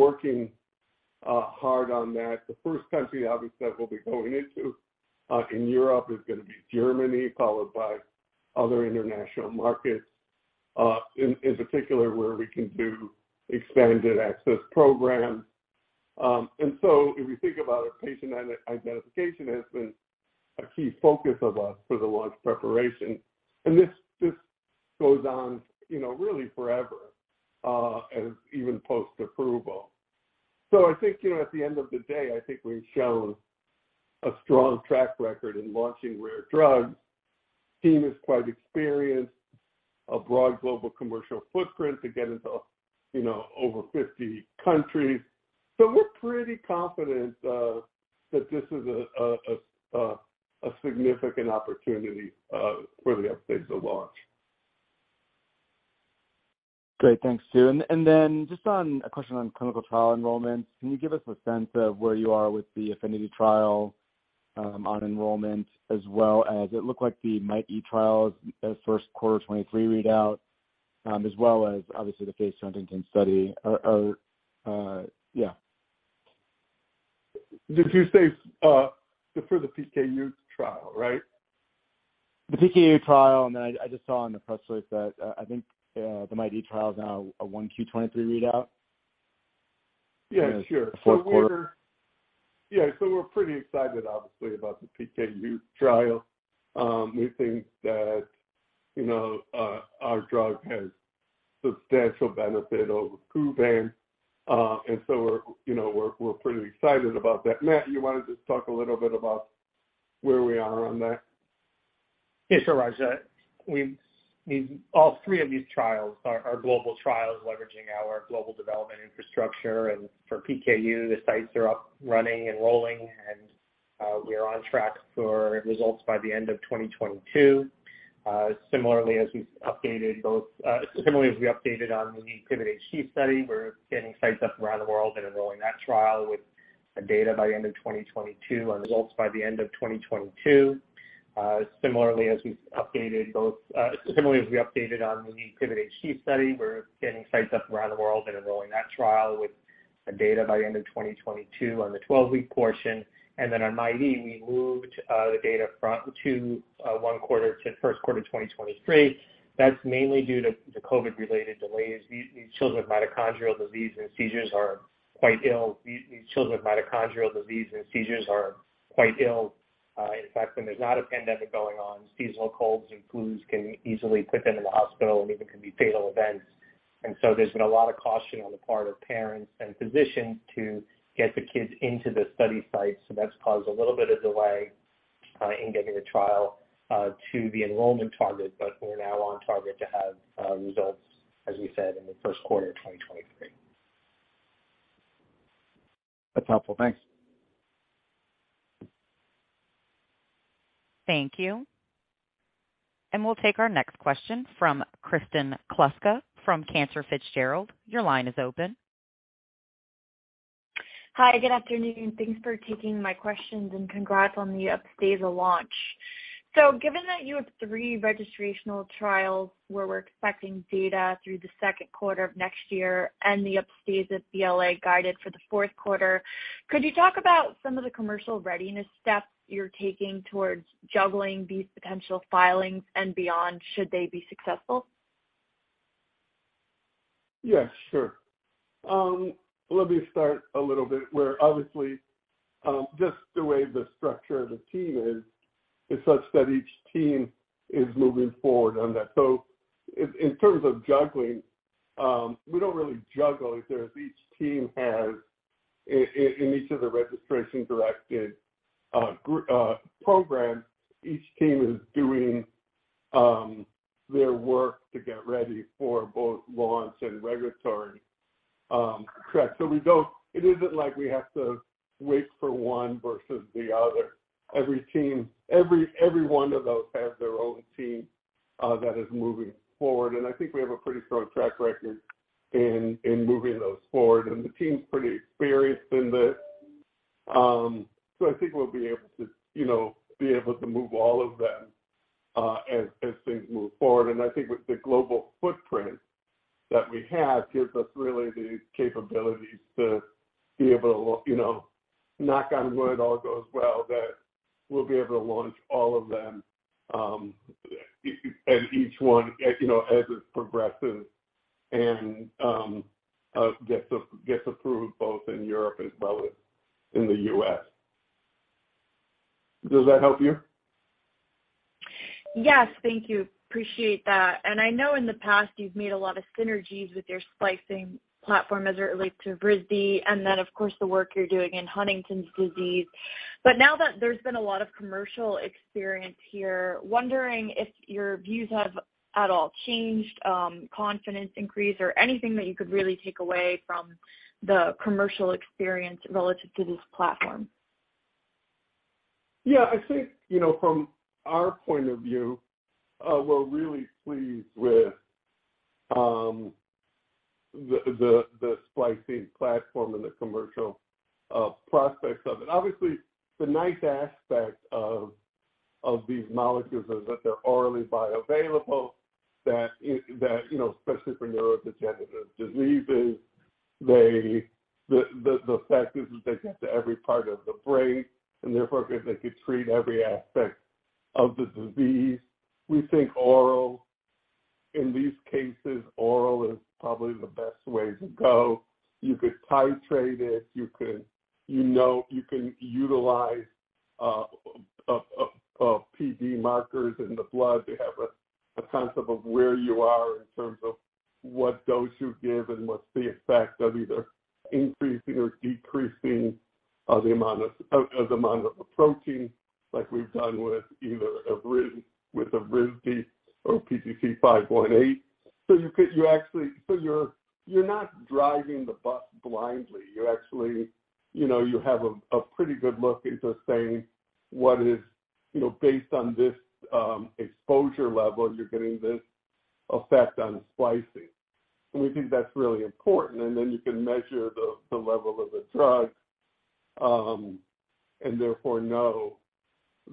working hard on that. The first country, obviously, that we'll be going into in Europe is gonna be Germany, followed by other international markets in particular, where we can do expanded access programs. If you think about it, patient identification has been a key focus of us for the launch preparation, and this just goes on, you know, really forever, and even post-approval. I think, you know, at the end of the day, I think we've shown a strong track record in launching rare drugs. Team is quite experienced, a broad global commercial footprint to get into, you know, over 50 countries. We're pretty confident that this is a significant opportunity for the Upstaza launch. Great. Thanks, Stu. Then just on a question on clinical trial enrollments, can you give us a sense of where you are with the APHENITY trial on enrollment as well as it looked like the MIT-E trial's first quarter 2023 readout as well as obviously the phase Huntington's study are? Did you say, for the PKU trial, right? The PKU trial, and then I just saw in the press release that I think the MIT-E trial is now a 1Q 2023 readout. Yeah, sure. Fourth quarter. We're pretty excited obviously about the PKU trial. We think that, you know, our drug has substantial benefit over Kuvan. We're, you know, pretty excited about that. Matt, you wanna just talk a little bit about where we are on that? Yeah, sure, Raju. These three trials are global trials leveraging our global development infrastructure. For PKU, the sites are up, running, and rolling. We are on track for results by the end of 2022. Similarly, as we updated on the PIVOT-HD study, we're getting sites up around the world and enrolling that trial with data by the end of 2022 and results by the end of 2022. It's been more as we updated on the PIVOT-HD study, where we're getting insights of the world and enrolling that trial with the data by the end of 2022 and the 12-week portion. Then on MIT-E, we moved the data from Q4 to Q1 2023. That's mainly due to the COVID-related delays. These children with mitochondrial disease and seizures are quite ill. In fact, when there's not a pandemic going on, seasonal colds and flus can easily put them in the hospital, and even can be fatal events. There's been a lot of caution on the part of parents and physicians to get the kids into the study sites. That's caused a little bit of delay in getting the trial to the enrollment target. We're now on target to have results, as we said, in the first quarter of 2023. That's helpful. Thanks. Thank you. We'll take our next question from Kristen Kluska from Cantor Fitzgerald. Your line is open. Hi. Good afternoon. Thanks for taking my questions, and congrats on the Upstaza launch. Given that you have three registrational trials where we're expecting data through the second quarter of next year and the Upstaza BLA guided for the fourth quarter, could you talk about some of the commercial readiness steps you're taking towards juggling these potential filings and beyond, should they be successful? Yes, sure. Let me start a little bit where obviously, just the way the structure of the team is such that each team is moving forward on that. In terms of juggling, we don't really juggle it, as each team has in each of the registration-directed programs, each team is doing their work to get ready for both launch and regulatory track. We don't. It isn't like we have to wait for one versus the other. Every team, every one of those has their own team that is moving forward. I think we have a pretty strong track record in moving those forward. The team's pretty experienced in this. I think we'll be able to, you know, be able to move all of them as things move forward. I think with the global footprint that we have gives us really the capabilities to be able to, you know, knock on wood, all goes well, that we'll be able to launch all of them, and each one, as you know, as it progresses and gets approved both in Europe as well as in the U.S. Does that help you? Yes. Thank you. Appreciate that. I know in the past you've made a lot of synergies with your splicing platform as it relates to Evrysdi and then of course the work you're doing in Huntington's disease. Now that there's been a lot of commercial experience here, wondering if your views have at all changed, confidence increased or anything that you could really take away from the commercial experience relative to this platform. Yeah, I think, you know, from our point of view, we're really pleased with the splicing platform and the commercial prospects of it. Obviously, the nice aspect of these molecules is that they're orally bioavailable, you know, especially for neurodegenerative diseases. The fact is that they get to every part of the brain, and therefore, they could treat every aspect of the disease. We think oral, in these cases, is probably the best way to go. You could titrate it. You could, you know, you can utilize PD markers in the blood to have a concept of where you are in terms of what dose you give and what's the effect of either increasing or decreasing, like we've done with either Evrysdi or PTC518. You're not driving the bus blindly. You're actually, you know, you have a pretty good look into saying what is, you know, based on this exposure level, you're getting this effect on splicing. We think that's really important. Then you can measure the level of the drug, and therefore know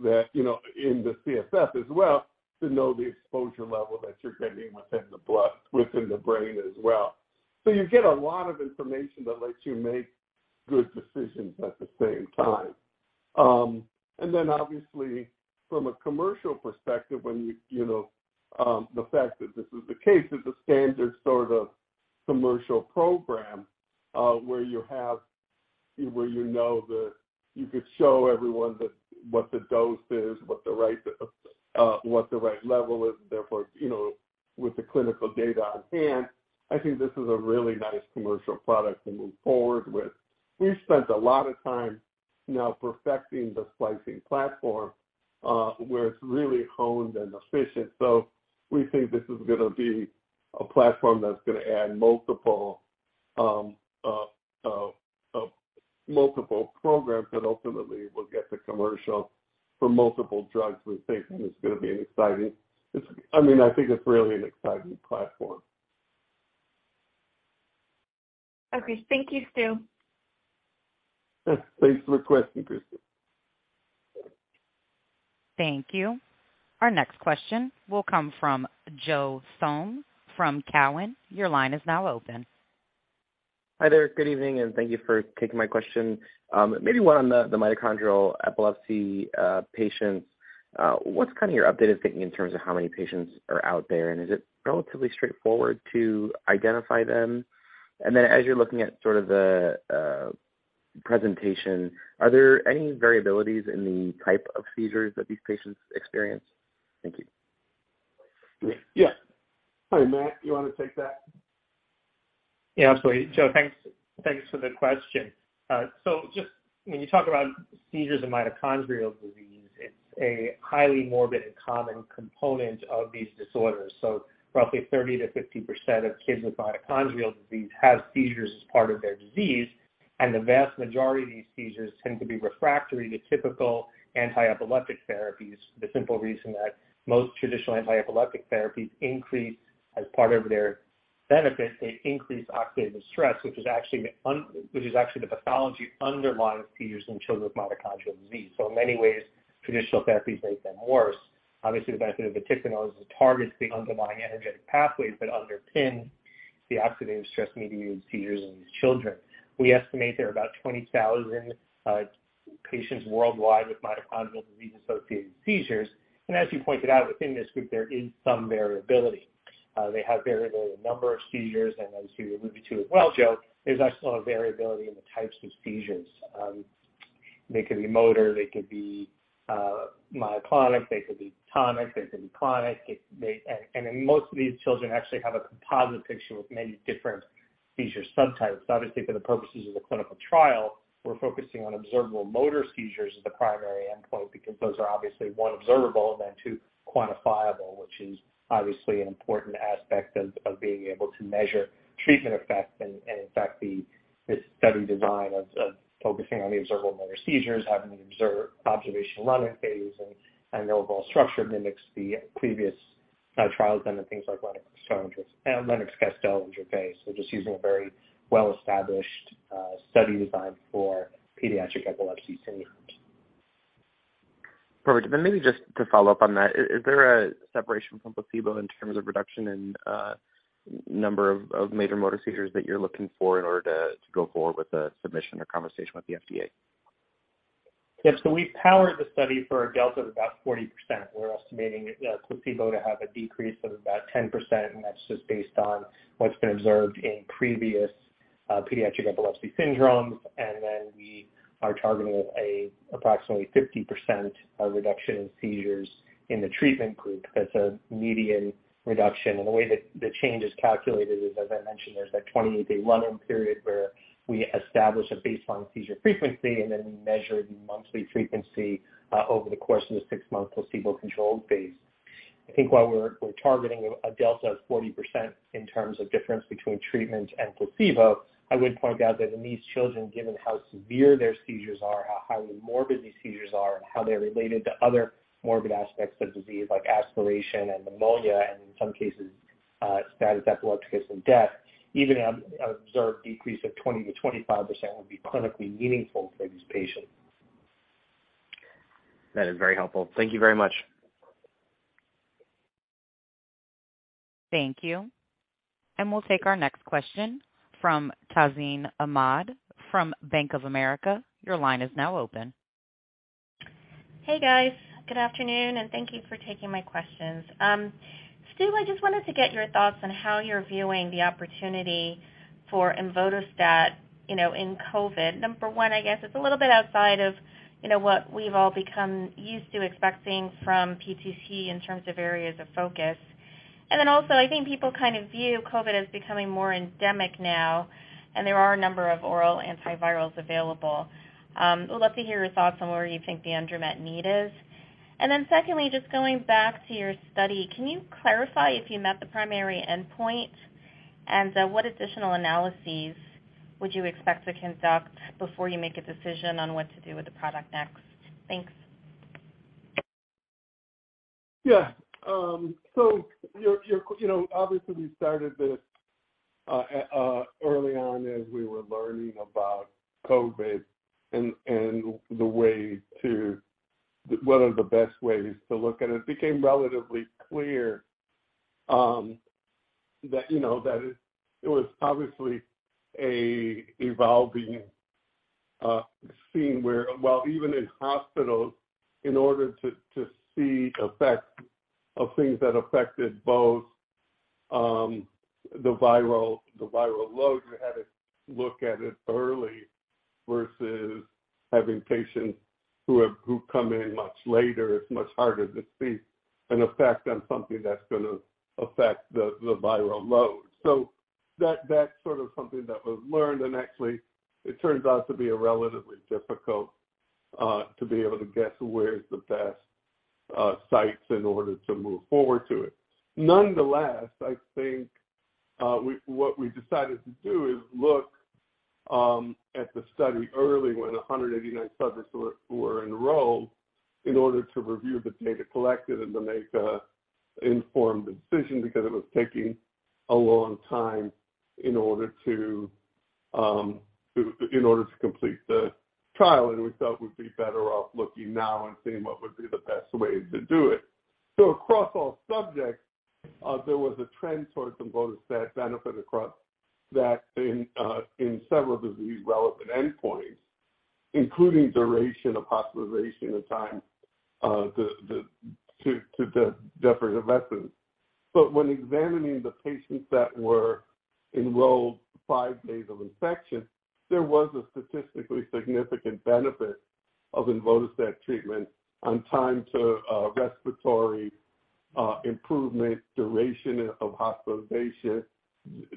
that, you know, in the CSF as well, to know the exposure level that you're getting within the blood, within the brain as well. You get a lot of information that lets you make good decisions at the same time. Obviously from a commercial perspective, the fact that this is the case is a standard sort of commercial program, where you know that you could show everyone that what the dose is, what the right level is. Therefore, you know, with the clinical data on hand, I think this is a really nice commercial product to move forward with. We've spent a lot of time now perfecting the splicing platform, where it's really honed and efficient. We think this is gonna be a platform that's gonna add multiple programs that ultimately will get to commercial for multiple drugs. We think it's gonna be an exciting platform. I mean, I think it's really an exciting platform. Okay. Thank you, Stu. Thanks for the question, Kristen. Thank you. Our next question will come from Joseph Thome from Cowen. Your line is now open. Hi there. Good evening, and thank you for taking my question. Maybe one on the mitochondrial epilepsy patients. What's kind of your updated thinking in terms of how many patients are out there, and is it relatively straightforward to identify them? As you're looking at sort of the presentation, are there any variabilities in the type of seizures that these patients experience? Thank you. Yeah. Hi, Matt, you wanna take that? Yeah, absolutely. Joe, thanks for the question. Just when you talk about seizures and mitochondrial disease, it's a highly morbid and common component of these disorders. Roughly 30%-50% of kids with mitochondrial disease have seizures as part of their disease, and the vast majority of these seizures tend to be refractory to typical anti-epileptic therapies. The simple reason that most traditional anti-epileptic therapies increase as part of their benefit, they increase oxidative stress, which is actually the pathology underlying seizures in children with mitochondrial disease. In many ways, traditional therapies make them worse. Obviously, the benefit of vatiquinone is it targets the underlying energetic pathways that underpin the oxidative stress-mediated seizures in these children. We estimate there are about 20,000 patients worldwide with mitochondrial disease-associated seizures, and as you pointed out, within this group, there is some variability. They have variable number of seizures, and as you alluded to as well, Joe, there's also a variability in the types of seizures. They could be motor, they could be myoclonic, they could be tonic, they could be clonic. Most of these children actually have a composite picture with many different seizure subtypes. Obviously, for the purposes of the clinical trial, we're focusing on observable motor seizures as the primary endpoint because those are obviously, one, observable and then, two, quantifiable, which is obviously an important aspect of being able to measure treatment effect. In fact this study design of focusing on the observable motor seizures, having the observational run-in phase and overall structure mimics the previous trials done in things like Lennox-Gastaut and Dravet. Just using a very well-established study design for pediatric epilepsy syndromes. Perfect. Maybe just to follow up on that, is there a separation from placebo in terms of reduction in number of major motor seizures that you're looking for in order to go forward with a submission or conversation with the FDA? Yes. We've powered the study for a delta of about 40%. We're estimating placebo to have a decrease of about 10%, and that's just based on what's been observed in previous pediatric epilepsy syndromes. We are targeting approximately 50% reduction in seizures in the treatment group. That's a median reduction. The way that the change is calculated is, as I mentioned, there's that 28-day run-in period where we establish a baseline seizure frequency, and then we measure the monthly frequency over the course of the six-month placebo-controlled phase. I think while we're targeting a delta of 40% in terms of difference between treatment and placebo, I would point out that in these children, given how severe their seizures are, how highly morbid these seizures are, and how they're related to other morbid aspects of the disease like aspiration and pneumonia, and in some cases, status epilepticus and death, even an observed decrease of 20%-25% would be clinically meaningful for these patients. That is very helpful. Thank you very much. Thank you. We'll take our next question from Tazeen Ahmad from Bank of America. Your line is now open. Hey, guys. Good afternoon, and thank you for taking my questions. Stu, I just wanted to get your thoughts on how you're viewing the opportunity for emvododstat, you know, in COVID. Number one, I guess it's a little bit outside of, you know, what we've all become used to expecting from PTC in terms of areas of focus. And then also, I think people kind of view COVID as becoming more endemic now, and there are a number of oral antivirals available. Would love to hear your thoughts on where you think the unmet need is. And then secondly, just going back to your study, can you clarify if you met the primary endpoint? And, what additional analyses would you expect to conduct before you make a decision on what to do with the product next? Thanks. You know, obviously we started this early on as we were learning about COVID, what are the best ways to look at it. It became relatively clear that you know that it was obviously an evolving scene where while even in hospitals, in order to see effects of things that affected both the viral load, you had to look at it early versus having patients who come in much later. It's much harder to see an effect on something that's gonna affect the viral load. That sort of something that was learned, and actually it turns out to be a relatively difficult to be able to guess where is the best sites in order to move forward to it. Nonetheless, I think what we decided to do is look at the study early when 189 subjects were enrolled in order to review the data collected and to make an informed decision because it was taking a long time in order to complete the trial. We thought we'd be better off looking now and seeing what would be the best way to do it. Across all subjects, there was a trend towards emvododstat benefit across that in several disease-relevant endpoints, including duration of hospitalization and time to the different events. When examining the patients that were enrolled within five days of infection, there was a statistically significant benefit of emvododstat treatment on time to respiratory improvement, duration of hospitalization,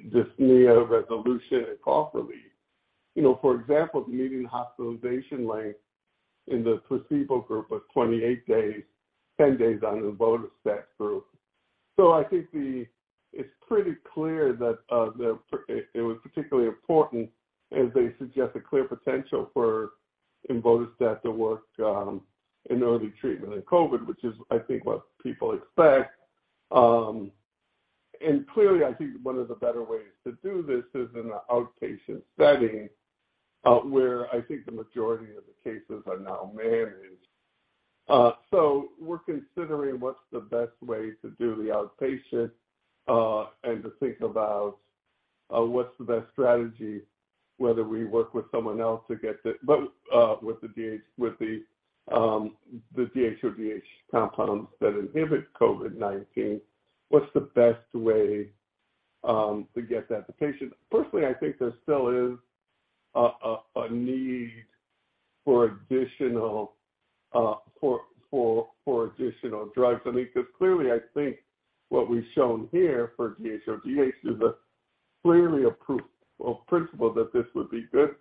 dyspnea resolution, and cough relief. You know, for example, the median hospitalization length in the placebo group was 28 days, 10 days on emvododstat group. I think it's pretty clear that it was particularly important as they suggest a clear potential for emvododstat to work in early treatment in COVID, which is I think what people expect. Clearly, I think one of the better ways to do this is in an outpatient setting, where I think the majority of the cases are now managed. We're considering what's the best way to do the outpatient and to think about what's the best strategy, whether we work with someone else to get the but with the DHODH compounds that inhibit COVID-19, what's the best way to get that to patient? Personally, I think there still is a need for additional drugs. I mean, 'cause clearly, I think what we've shown here for DHODH is clearly a proof of principle that this would be good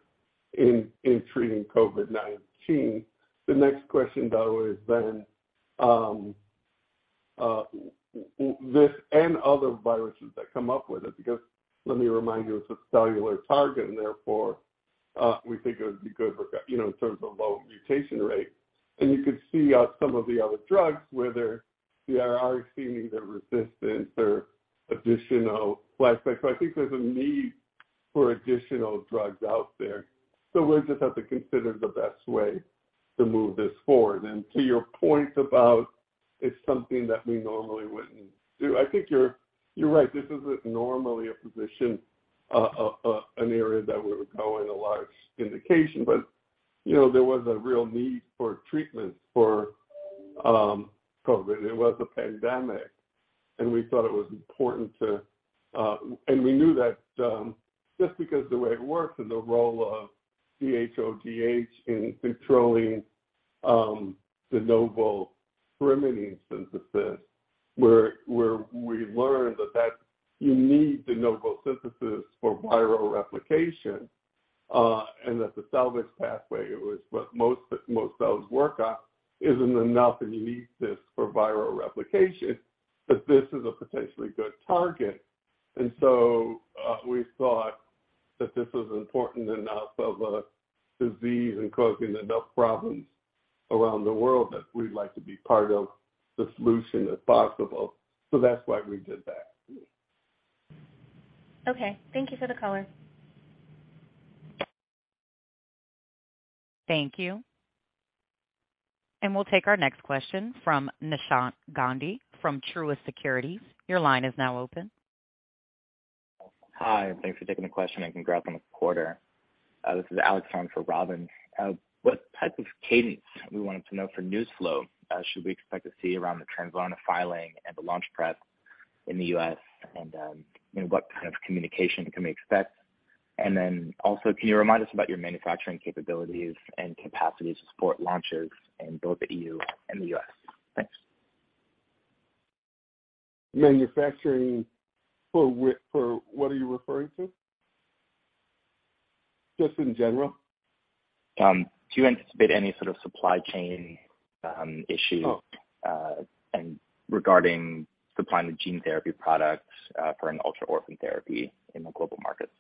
in treating COVID-19. The next question, though, is this and other viruses that come up with it, because let me remind you, it's a cellular target, and therefore, we think it would be good for, you know, in terms of low mutation rate. You could see on some of the other drugs where they're, we are already seeing either resistance or additional flashbacks. I think there's a need for additional drugs out there. We'll just have to consider the best way to move this forward. To your point about it's something that we normally wouldn't do. I think you're right. This isn't normally a position, an area that we would call in a large indication. You know, there was a real need for treatments for COVID. It was a pandemic, and we thought it was important to. We knew that just because the way it works and the role of DHODH in controlling de novo pyrimidine synthesis, where we learned that you need de novo synthesis for viral replication, and that the salvage pathway was what most cells work on isn't enough, and you need this for viral replication. That this is a potentially good target. We thought that this was important enough of a disease and causing enough problems around the world that we'd like to be part of the solution if possible. That's why we did that. Okay. Thank you for the color. Thank you. We'll take our next question from Nishant Gandhi from Truist Securities. Your line is now open. Hi, and thanks for taking the question, and congrats on the quarter. This is Alex Tong for Robin. What type of cadence we wanted to know for news flow, should we expect to see around the Translarna filing and the launch prep in the U.S. and what kind of communication can we expect? Then also, can you remind us about your manufacturing capabilities and capacity to support launches in both the E.U. and the U.S.? Thanks. Manufacturing for what are you referring to? Just in general. Do you anticipate any sort of supply chain issues, and regarding supplying the gene therapy products for an ultra-orphan therapy in the global markets?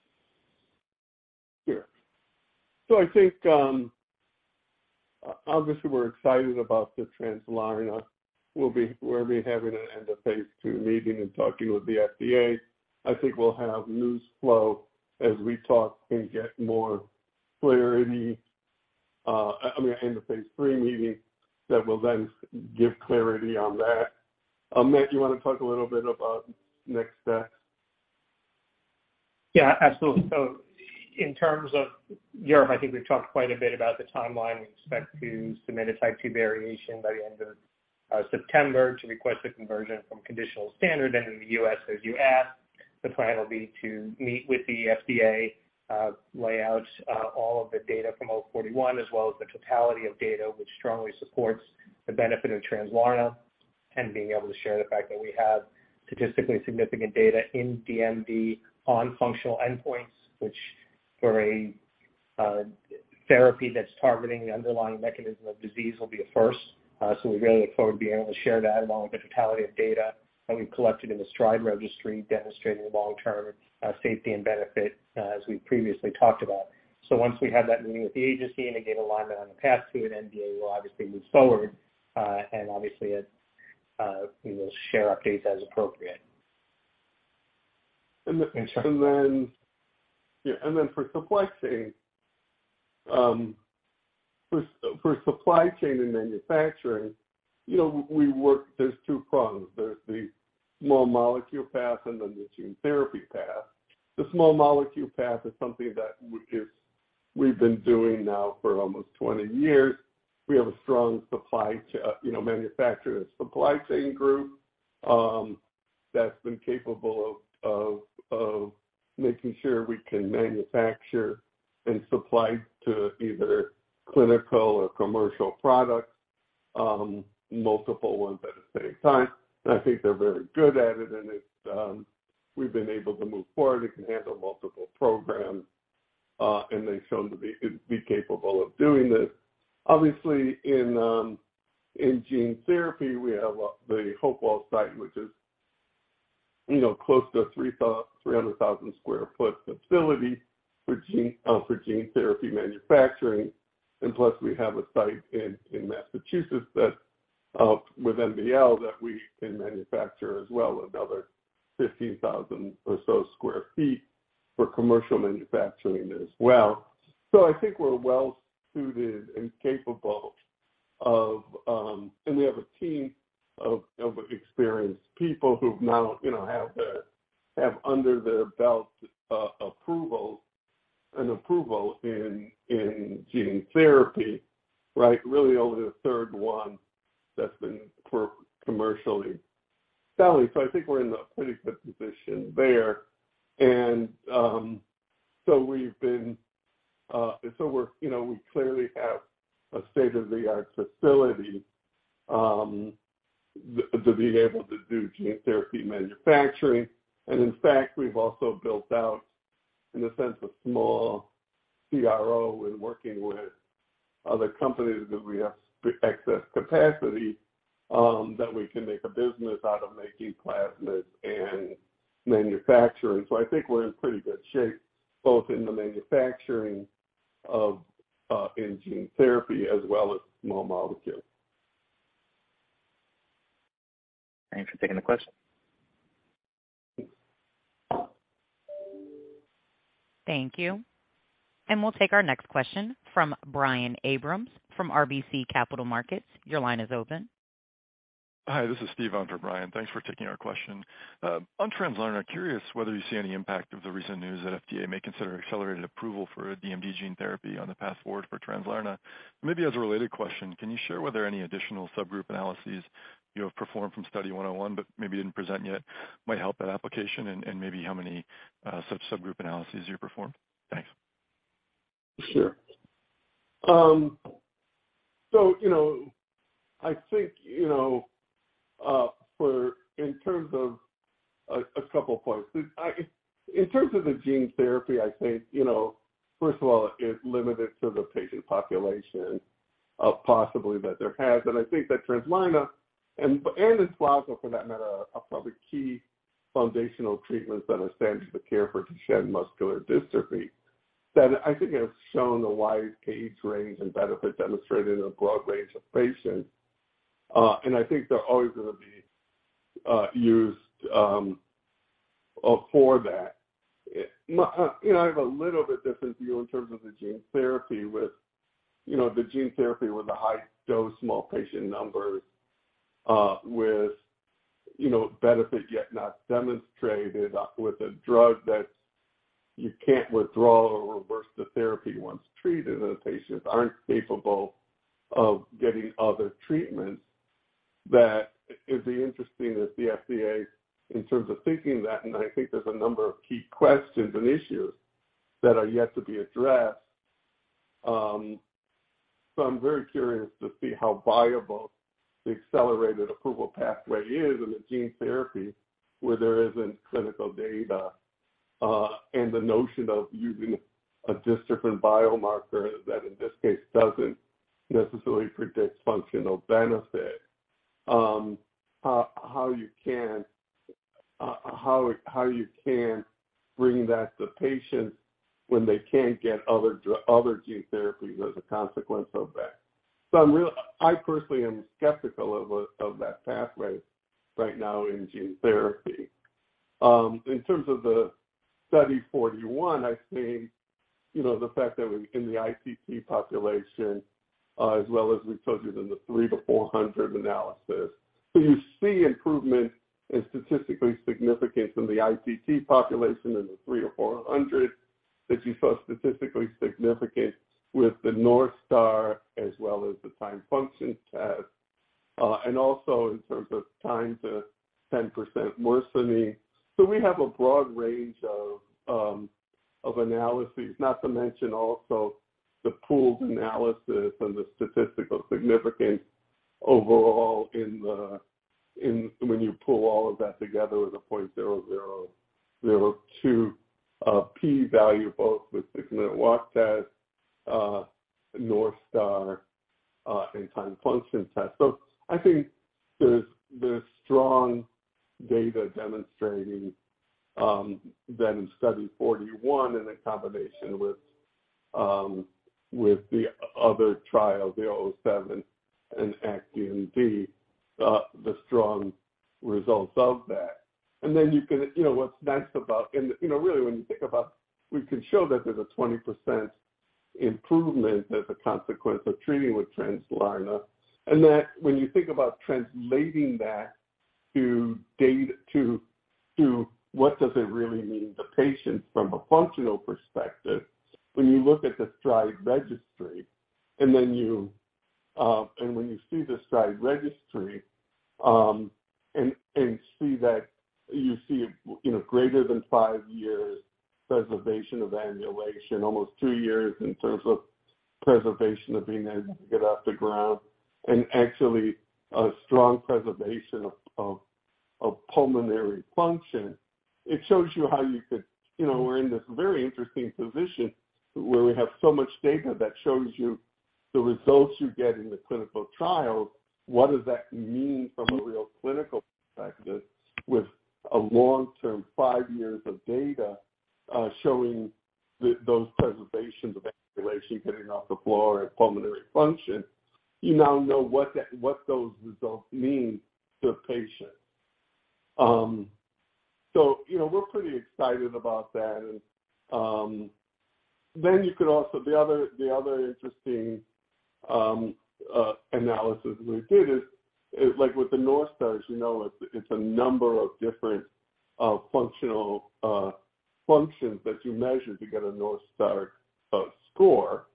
Sure. I think, obviously we're excited about the Translarna. We'll be having an end of phase II meeting and talking with the FDA. I think we'll have news flow as we talk and get more clarity, I mean, end of phase III meeting that will then give clarity on that. Matt, you wanna talk a little bit about next steps? Yeah, absolutely. In terms of Europe, I think we've talked quite a bit about the timeline. We expect to submit a type II variation by the end of September to request a conversion from conditional to standard. In the U.S., as you asked, the plan will be to meet with the FDA, lay out all of the data from 041, as well as the totality of data, which strongly supports the benefit of Translarna. And being able to share the fact that we have statistically significant data in DMD on functional endpoints, which for a therapy that's targeting the underlying mechanism of disease will be a first. We really look forward to being able to share that along with the totality of data that we've collected in the STRIDE registry demonstrating long-term safety and benefit, as we've previously talked about. Once we have that meeting with the agency and they get alignment on the path to an NDA, we'll obviously move forward, and we will share updates as appropriate. And the- Sure. For supply chain and manufacturing, you know, we work. There's two prongs. There's the small molecule path and the gene therapy path. The small molecule path is something that we've been doing now for almost 20 years. We have a strong supply chain, you know, manufacturer and supply chain group that's been capable of making sure we can manufacture and supply to either clinical or commercial products, multiple ones at the same time. I think they're very good at it, and it's. We've been able to move forward. It can handle multiple programs, and they've shown to be capable of doing this. Obviously in gene therapy, we have the Hopewell site, which is, you know, close to 300,000 sq ft facility for gene therapy manufacturing. Plus we have a site in Massachusetts that with MBL that we can manufacture as well, another 15,000 or so square feet for commercial manufacturing as well. I think we're well suited and capable of. We have a team of experienced people who've now, you know, have under their belt an approval in gene therapy, right? Really only the third one that's been for commercially selling. I think we're in a pretty good position there. We're, you know, we clearly have a state-of-the-art facility to be able to do gene therapy manufacturing. In fact, we've also built out in a sense, a small CRO in working with other companies because we have excess capacity that we can make a business out of making plasmids and manufacturing. I think we're in pretty good shape both in the manufacturing of gene therapy as well as small molecule. Thanks for taking the question. Thank you. We'll take our next question from Brian Abrahams from RBC Capital Markets. Your line is open. Hi, this is Steve on for Brian. Thanks for taking our question. On Translarna, I'm curious whether you see any impact of the recent news that FDA may consider accelerated approval for a DMD gene therapy on the path forward for Translarna. Maybe as a related question, can you share whether any additional subgroup analyses you have performed from Study 101, but maybe didn't present yet, might help that application and maybe how many such subgroup analyses you performed? Thanks. Sure. So, you know, I think, you know, in terms of a couple points. In terms of the gene therapy, I think, you know, first of all, it's limited to the patient population, possibly that they have. I think that Translarna and Spinraza for that matter are probably key foundational treatments that are standard of care for Duchenne muscular dystrophy, that I think have shown a wide age range and benefit demonstrated in a broad range of patients. I think they're always gonna be used for that. You know, I have a little bit different view in terms of the gene therapy with the high dose, small patient numbers, with benefit yet not demonstrated, with a drug that you can't withdraw or reverse the therapy once treated, and the patients aren't capable of getting other treatments. That it'd be interesting if the FDA in terms of thinking that, and I think there's a number of key questions and issues that are yet to be addressed. I'm very curious to see how viable the accelerated approval pathway is in the gene therapy where there isn't clinical data, and the notion of using a different biomarker that in this case doesn't necessarily predict functional benefit. How you can bring that to patients when they can't get other gene therapies as a consequence of that. I personally am skeptical of that pathway right now in gene therapy. In terms of the Study 041, I think, you know, the fact that we in the ITT population, as well as we told you in the three to 400 analysis. You see improvement is statistically significant from the ITT population in the three to 400, that you saw statistically significant with the North Star as well as the timed function test. And also in terms of time to 10% worsening. We have a broad range of analyses, not to mention also the pooled analysis and the statistical significance overall in when you pool all of that together with a 0.0002 p value, both with six-minute walk test, North Star, and timed function test. I think there's the strong data demonstrating that in Study 041 in combination with the other trial, the Study 007 and ACT DMD, the strong results of that. You know what's nice about, you know, really when you think about we can show that there's a 20% improvement as a consequence of treating with Translarna, and that when you think about translating that to data to what does it really mean to patients from a functional perspective, when you look at the STRIDE registry and then you and when you see the STRIDE registry and see that you see, you know, greater than five years preservation of ambulation, almost two years in terms of preservation of being able to get off the ground and actually a strong preservation of pulmonary function. It shows you how you could. You know, we're in this very interesting position where we have so much data that shows you the results you get in the clinical trial. What does that mean from a real clinical perspective with a long-term five years of data, showing those preservations of ambulation, getting off the floor and pulmonary function? You now know what those results mean to a patient. You know, we're pretty excited about that. Then you could also the other interesting analysis we did is like with the North Star. You know, it's a number of different functional functions that you measure to get a North Star score.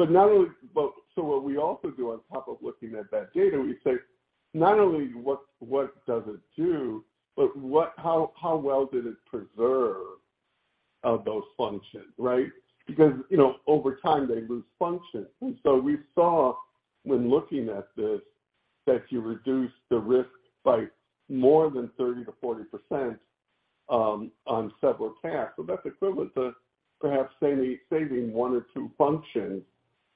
Not only but so what we also do on top of looking at that data, we say not only what does it do, but what how well did it preserve those functions, right? Because, you know, over time they lose function. We saw when looking at this that you reduce the risk by more than 30%-40% on several tasks. That's equivalent to perhaps saving one or two functions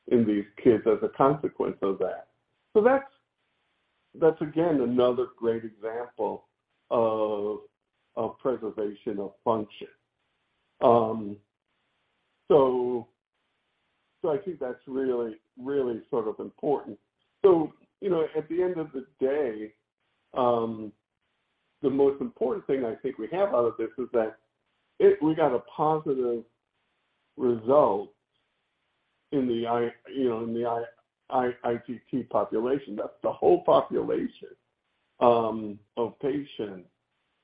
in these kids as a consequence of that. That's again another great example of preservation of function. I think that's really sort of important. You know, at the end of the day, the most important thing I think we have out of this is that it—we got a positive result in the ITT population. That's the whole population of patients.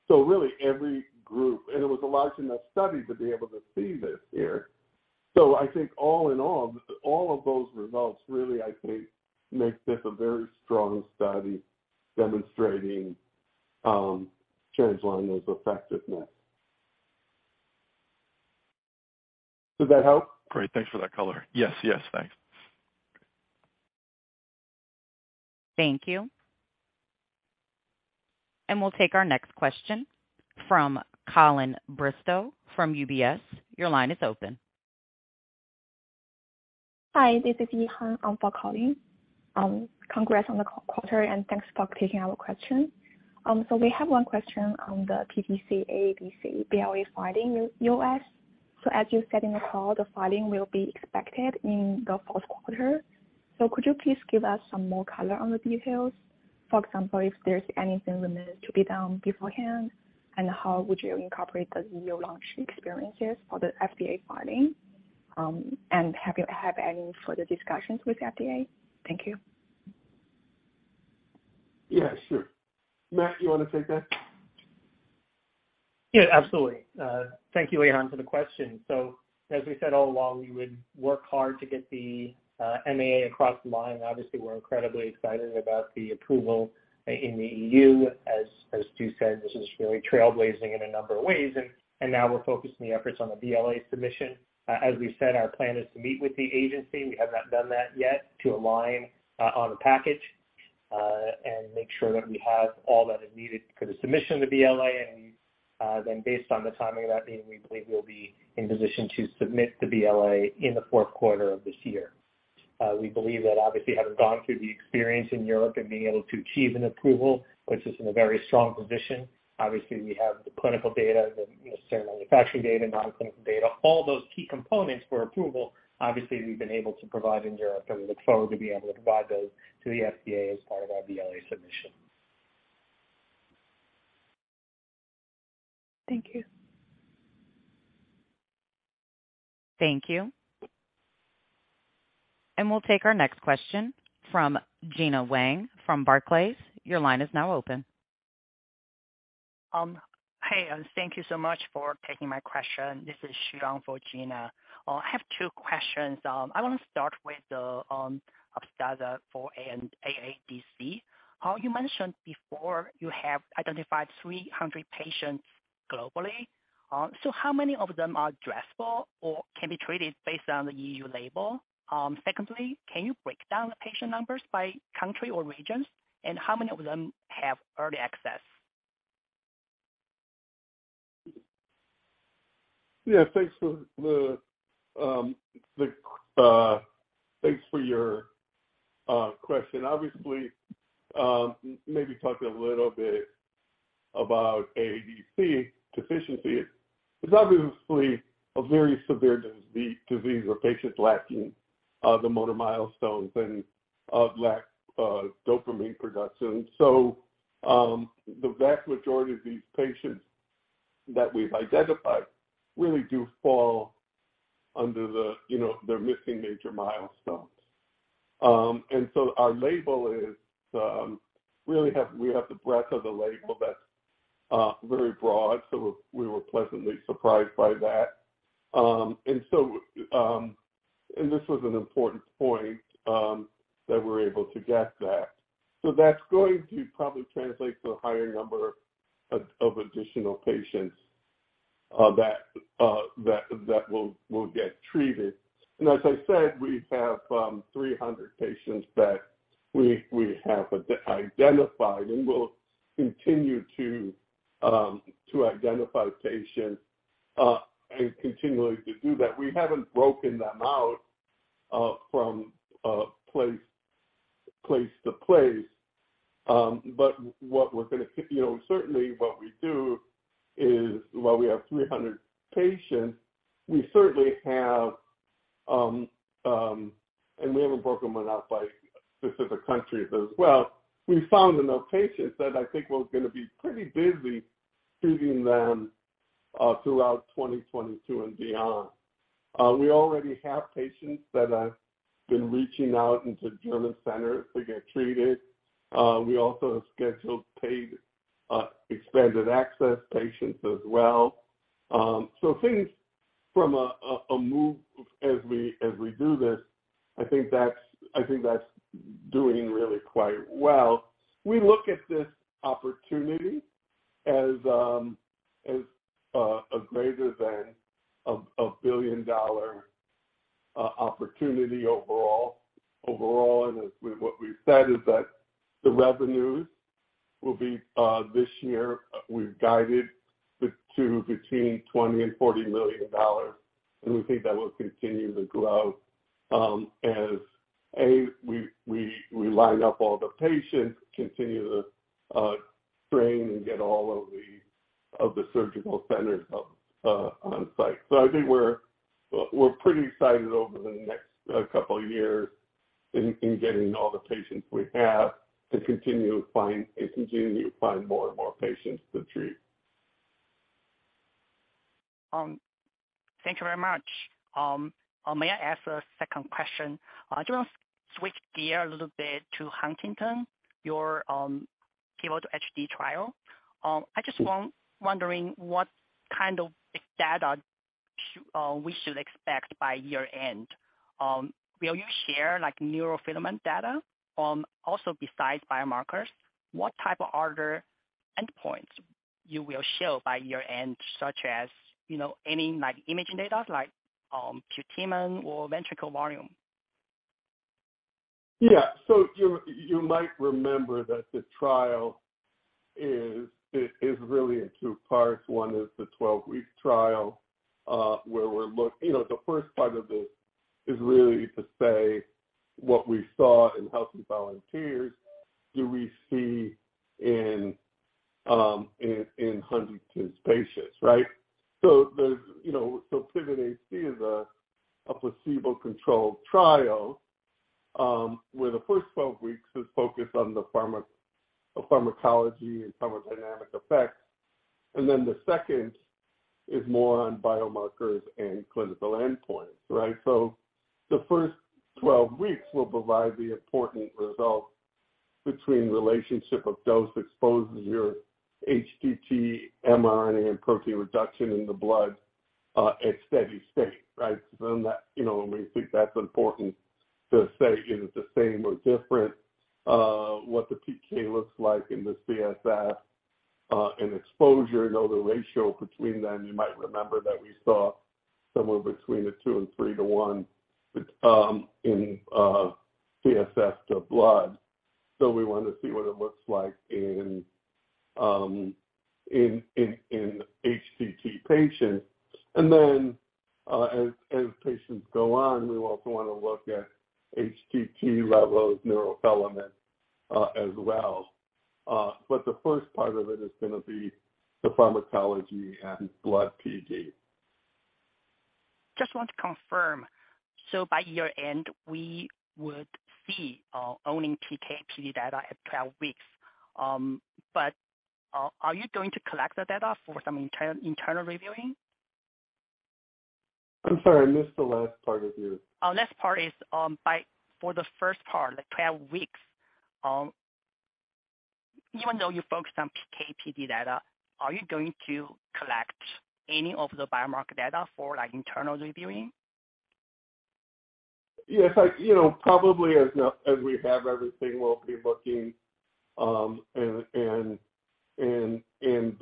Really every group and it was a large enough study to be able to see this here. I think all in all of those results really, I think make this a very strong study demonstrating Translarna's effectiveness. Does that help? Great. Thanks for that color. Yes, yes, thanks. Thank you. We'll take our next question from Colin Bristow from UBS. Your line is open. Hi, this is Yihan Li for Colin. Congrats on the quarter, and thanks for taking our question. We have one question on the PTC Upstaza BLA filing U.S. As you said in the call, the filing will be expected in the fourth quarter. Could you please give us some more color on the details? For example, if there's anything remains to be done beforehand and how would you incorporate the E.U. launch experiences for the FDA filing? And have you had any further discussions with the FDA? Thank you. Yeah, sure. Matt, you want to take that? Yeah, absolutely. Thank you, Yihan, for the question. As we said all along, we would work hard to get the MAA across the line. Obviously, we're incredibly excited about the approval in the E.U. As Stu said, this is really trailblazing in a number of ways. Now we're focusing the efforts on the BLA submission. As we said, our plan is to meet with the agency. We have not done that yet to align on the package and make sure that we have all that is needed for the submission of the BLA. Then based on the timing of that meeting, we believe we'll be in position to submit the BLA in the fourth quarter of this year. We believe that obviously, having gone through the experience in Europe and being able to achieve an approval puts us in a very strong position. Obviously, we have the clinical data, the necessary manufacturing data, non-clinical data, all those key components for approval. Obviously, we've been able to provide in Europe, and we look forward to being able to provide those to the FDA as part of our BLA submission. Thank you. Thank you. We'll take our next question from Gena Wang from Barclays. Your line is now open. Hey, and thank you so much for taking my question. This is Xiang for Gena. I have two questions. I wanna start with the Upstaza for AADC. You mentioned before you have identified 300 patients globally. So how many of them are addressable or can be treated based on the E.U. label? Secondly, can you break down the patient numbers by country or regions, and how many of them have early access? Thanks for your question. Obviously, maybe talk a little bit about AADC deficiency. It's obviously a very severe disease where patients lacking the motor milestones and lack dopamine production. The vast majority of these patients that we've identified really do fall under the, you know, they're missing major milestones. We have the breadth of the label that's very broad, so we were pleasantly surprised by that. This was an important point that we're able to get that. That's going to probably translate to a higher number of additional patients that will get treated. As I said, we have 300 patients that we have identified and we'll continue to identify patients and continually to do that. We haven't broken them out from place to place. What we're gonna you know certainly what we do is while we have 300 patients, we certainly have. We haven't broken them out by specific countries as well. We found enough patients that I think we're gonna be pretty busy treating them throughout 2022 and beyond. We already have patients that have been reaching out into German centers to get treated. We also have scheduled paid expanded access patients as well. Things from a move as we do this, I think that's doing really quite well. We look at this opportunity as a greater than a billion-dollar opportunity overall. What we've said is that the revenues will be this year, we've guided to between $20 million and $40 million, and we think that will continue to grow, as we line up all the patients, continue to train and get all of the surgical centers up on site. I think we're pretty excited over the next couple years in getting all the patients we have to continue to find, and continue to find more and more patients to treat. Thank you very much. May I ask a second question? I just switch gear a little bit to Huntington's, your PIVOT-HD trial. I just wondering what kind of data we should expect by year-end. Will you share like neurofilament data? Also besides biomarkers, what type of other endpoints you will show by year-end such as, you know, any like imaging data like putamen or ventricle volume? Yeah. You might remember that the trial is really in two parts. One is the 12-week trial, where we're. You know, the first part of this is really to say what we saw in healthy volunteers, do we see in Huntington's patients, right? PIVOT-HD is a placebo-controlled trial, where the first 12 weeks is focused on the pharmacology and pharmacodynamic effects. Then the second is more on biomarkers and clinical endpoints, right? The first 12 weeks will provide the important relationship between dose exposure and HTT mRNA and protein reduction in the blood, at steady state, right? That, you know, and we think that's important to say is it the same or different, what the PK looks like in the CSF, and exposure, you know, the ratio between them. You might remember that we saw somewhere between a two- and three-to-one in CSF to blood. We wanna see what it looks like in HTT patients. As patients go on, we also wanna look at HTT levels, neurofilament, as well. The first part of it is gonna be the pharmacology and blood PD. Just want to confirm. By year-end, we would see only PK/PD data at 12 weeks. Are you going to collect the data for some internal reviewing? I'm sorry, I missed the last part of your. Last part is, for the first part, the 12 weeks, even though you focus on PK/PD data, are you going to collect any of the biomarker data for, like, internal reviewing? Yes, you know, probably as we have everything, we'll be looking and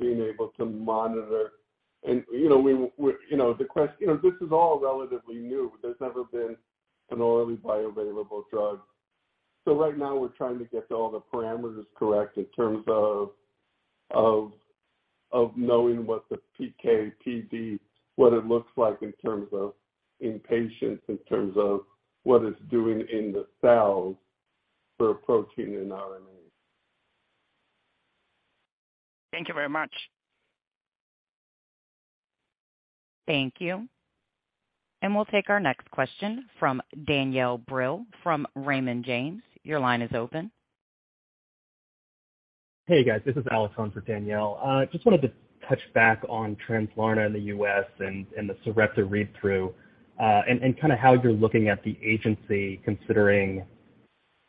being able to monitor. You know, this is all relatively new. There's never been an orally bioavailable drug. Right now we're trying to get all the parameters correct in terms of knowing what the PK/PD looks like in patients, in terms of what it's doing in the cells for protein and RNA. Thank you very much. Thank you. We'll take our next question from Danielle Brill from Raymond James. Your line is open. Hey, guys. This is Alex Tong on for Danielle Brill. Just wanted to touch back on Translarna in the U.S. and the Sarepta read-through and kind of how you're looking at the agency considering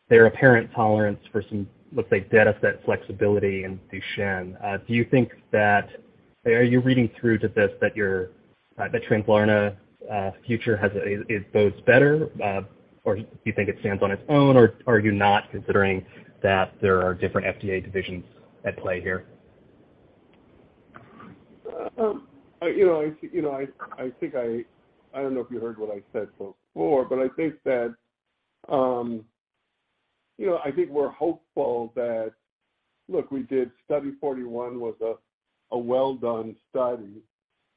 their apparent tolerance for some, let's say, dataset flexibility in Duchenne. Are you reading through to this that your Translarna future, it bodes better, or do you think it stands on its own, or are you not considering that there are different FDA divisions at play here? You know, I don't know if you heard what I said before, but I think that, you know, I think we're hopeful that. Look, Study 041 was a well-done study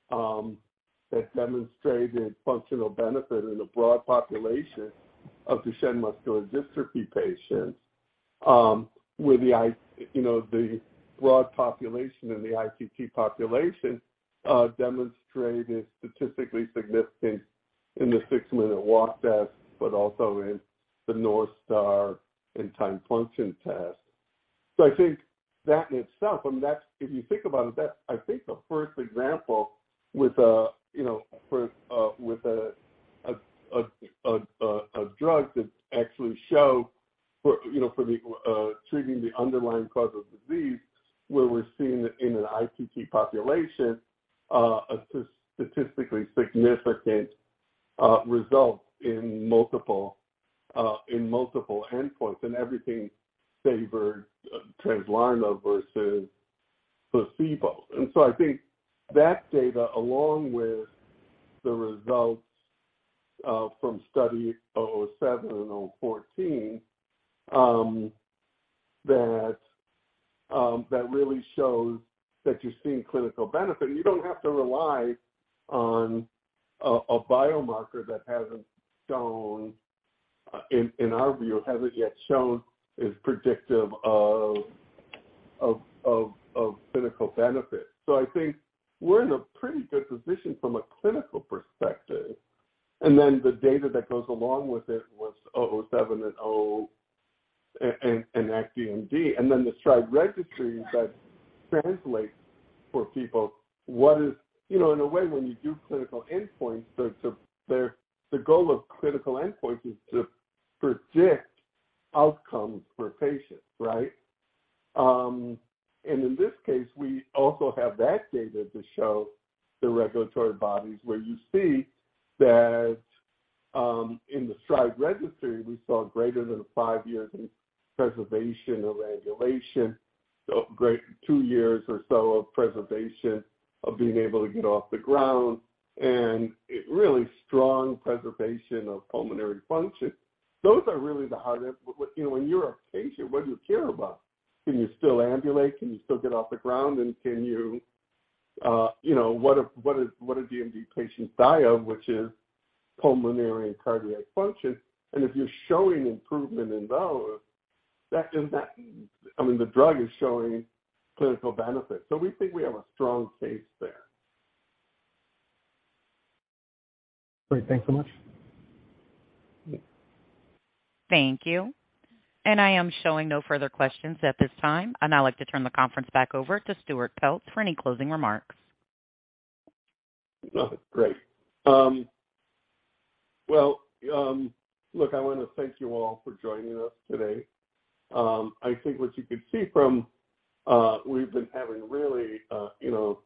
that demonstrated functional benefit in a broad population of Duchenne muscular dystrophy patients, with the, you know, broad population in the ITT population, demonstrated statistically significant in the six-minute walk test, but also in the North Star and timed function test. I think that in itself, I mean, that's, if you think about it, that's I think the first example with a, you know, for, with a drug that actually shows for, you know, for the treating the underlying cause of disease where we're seeing in an ITT population, a statistically significant result in multiple endpoints, and everything favored Translarna versus placebo. I think that data, along with the results from Study 007 and Study 014, that really shows that you're seeing clinical benefit, and you don't have to rely on a biomarker that hasn't shown, in our view, hasn't yet shown is predictive of clinical benefit. I think we're in a pretty good position from a clinical perspective. The data that goes along with it was Study 007 and Study 020, and ACT DMD, and then the STRIDE registry that translates for people. You know, in a way, when you do clinical endpoints, the goal of clinical endpoints is to predict outcomes for patients, right? In this case, we also have that data to show the regulatory bodies where you see that, in the STRIDE registry we saw greater than five years in preservation of ambulation, so greater two years or so of preservation of being able to get off the ground, and a really strong preservation of pulmonary function. Those are really the hard endpoints. You know, when you're a patient, what do you care about? Can you still ambulate? Can you still get off the ground? Can you know, what do DMD patients die of? Which is pulmonary and cardiac function. If you're showing improvement in those, that is, I mean, the drug is showing clinical benefit. We think we have a strong case there. Great. Thanks so much. Yeah. Thank you. I am showing no further questions at this time. I'd now like to turn the conference back over to Stuart Peltz for any closing remarks. Oh, great. Well, look, I wanna thank you all for joining us today. I think what you could see from, we've been having really, you know,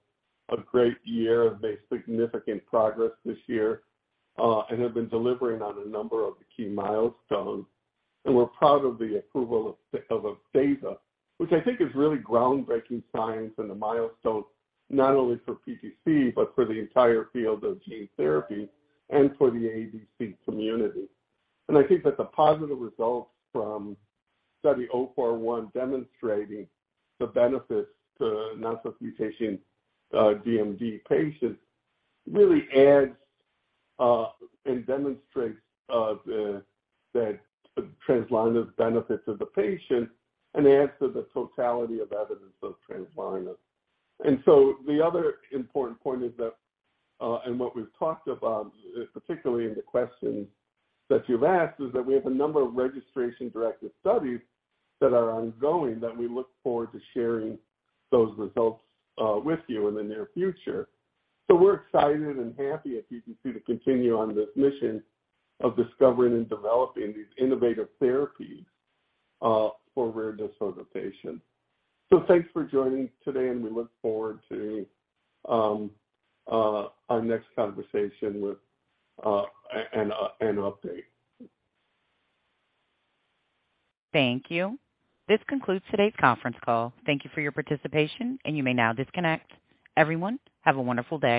a great year of making significant progress this year, and have been delivering on a number of the key milestones. We're proud of the approval of Upstaza, which I think is really groundbreaking science and a milestone not only for PTC, but for the entire field of gene therapy and for the AADC community. I think that the positive results from Study 041 demonstrating the benefits to nonsense mutation DMD patients really adds and demonstrates that Translarna's benefits to the patient and adds to the totality of evidence of Translarna. The other important point is that, and what we've talked about, particularly in the questions that you've asked, is that we have a number of registration-directed studies that are ongoing that we look forward to sharing those results with you in the near future. We're excited and happy at PTC to continue on this mission of discovering and developing these innovative therapies for rare disorder patients. Thanks for joining today, and we look forward to our next conversation with an update. Thank you. This concludes today's conference call. Thank you for your participation, and you may now disconnect. Everyone, have a wonderful day.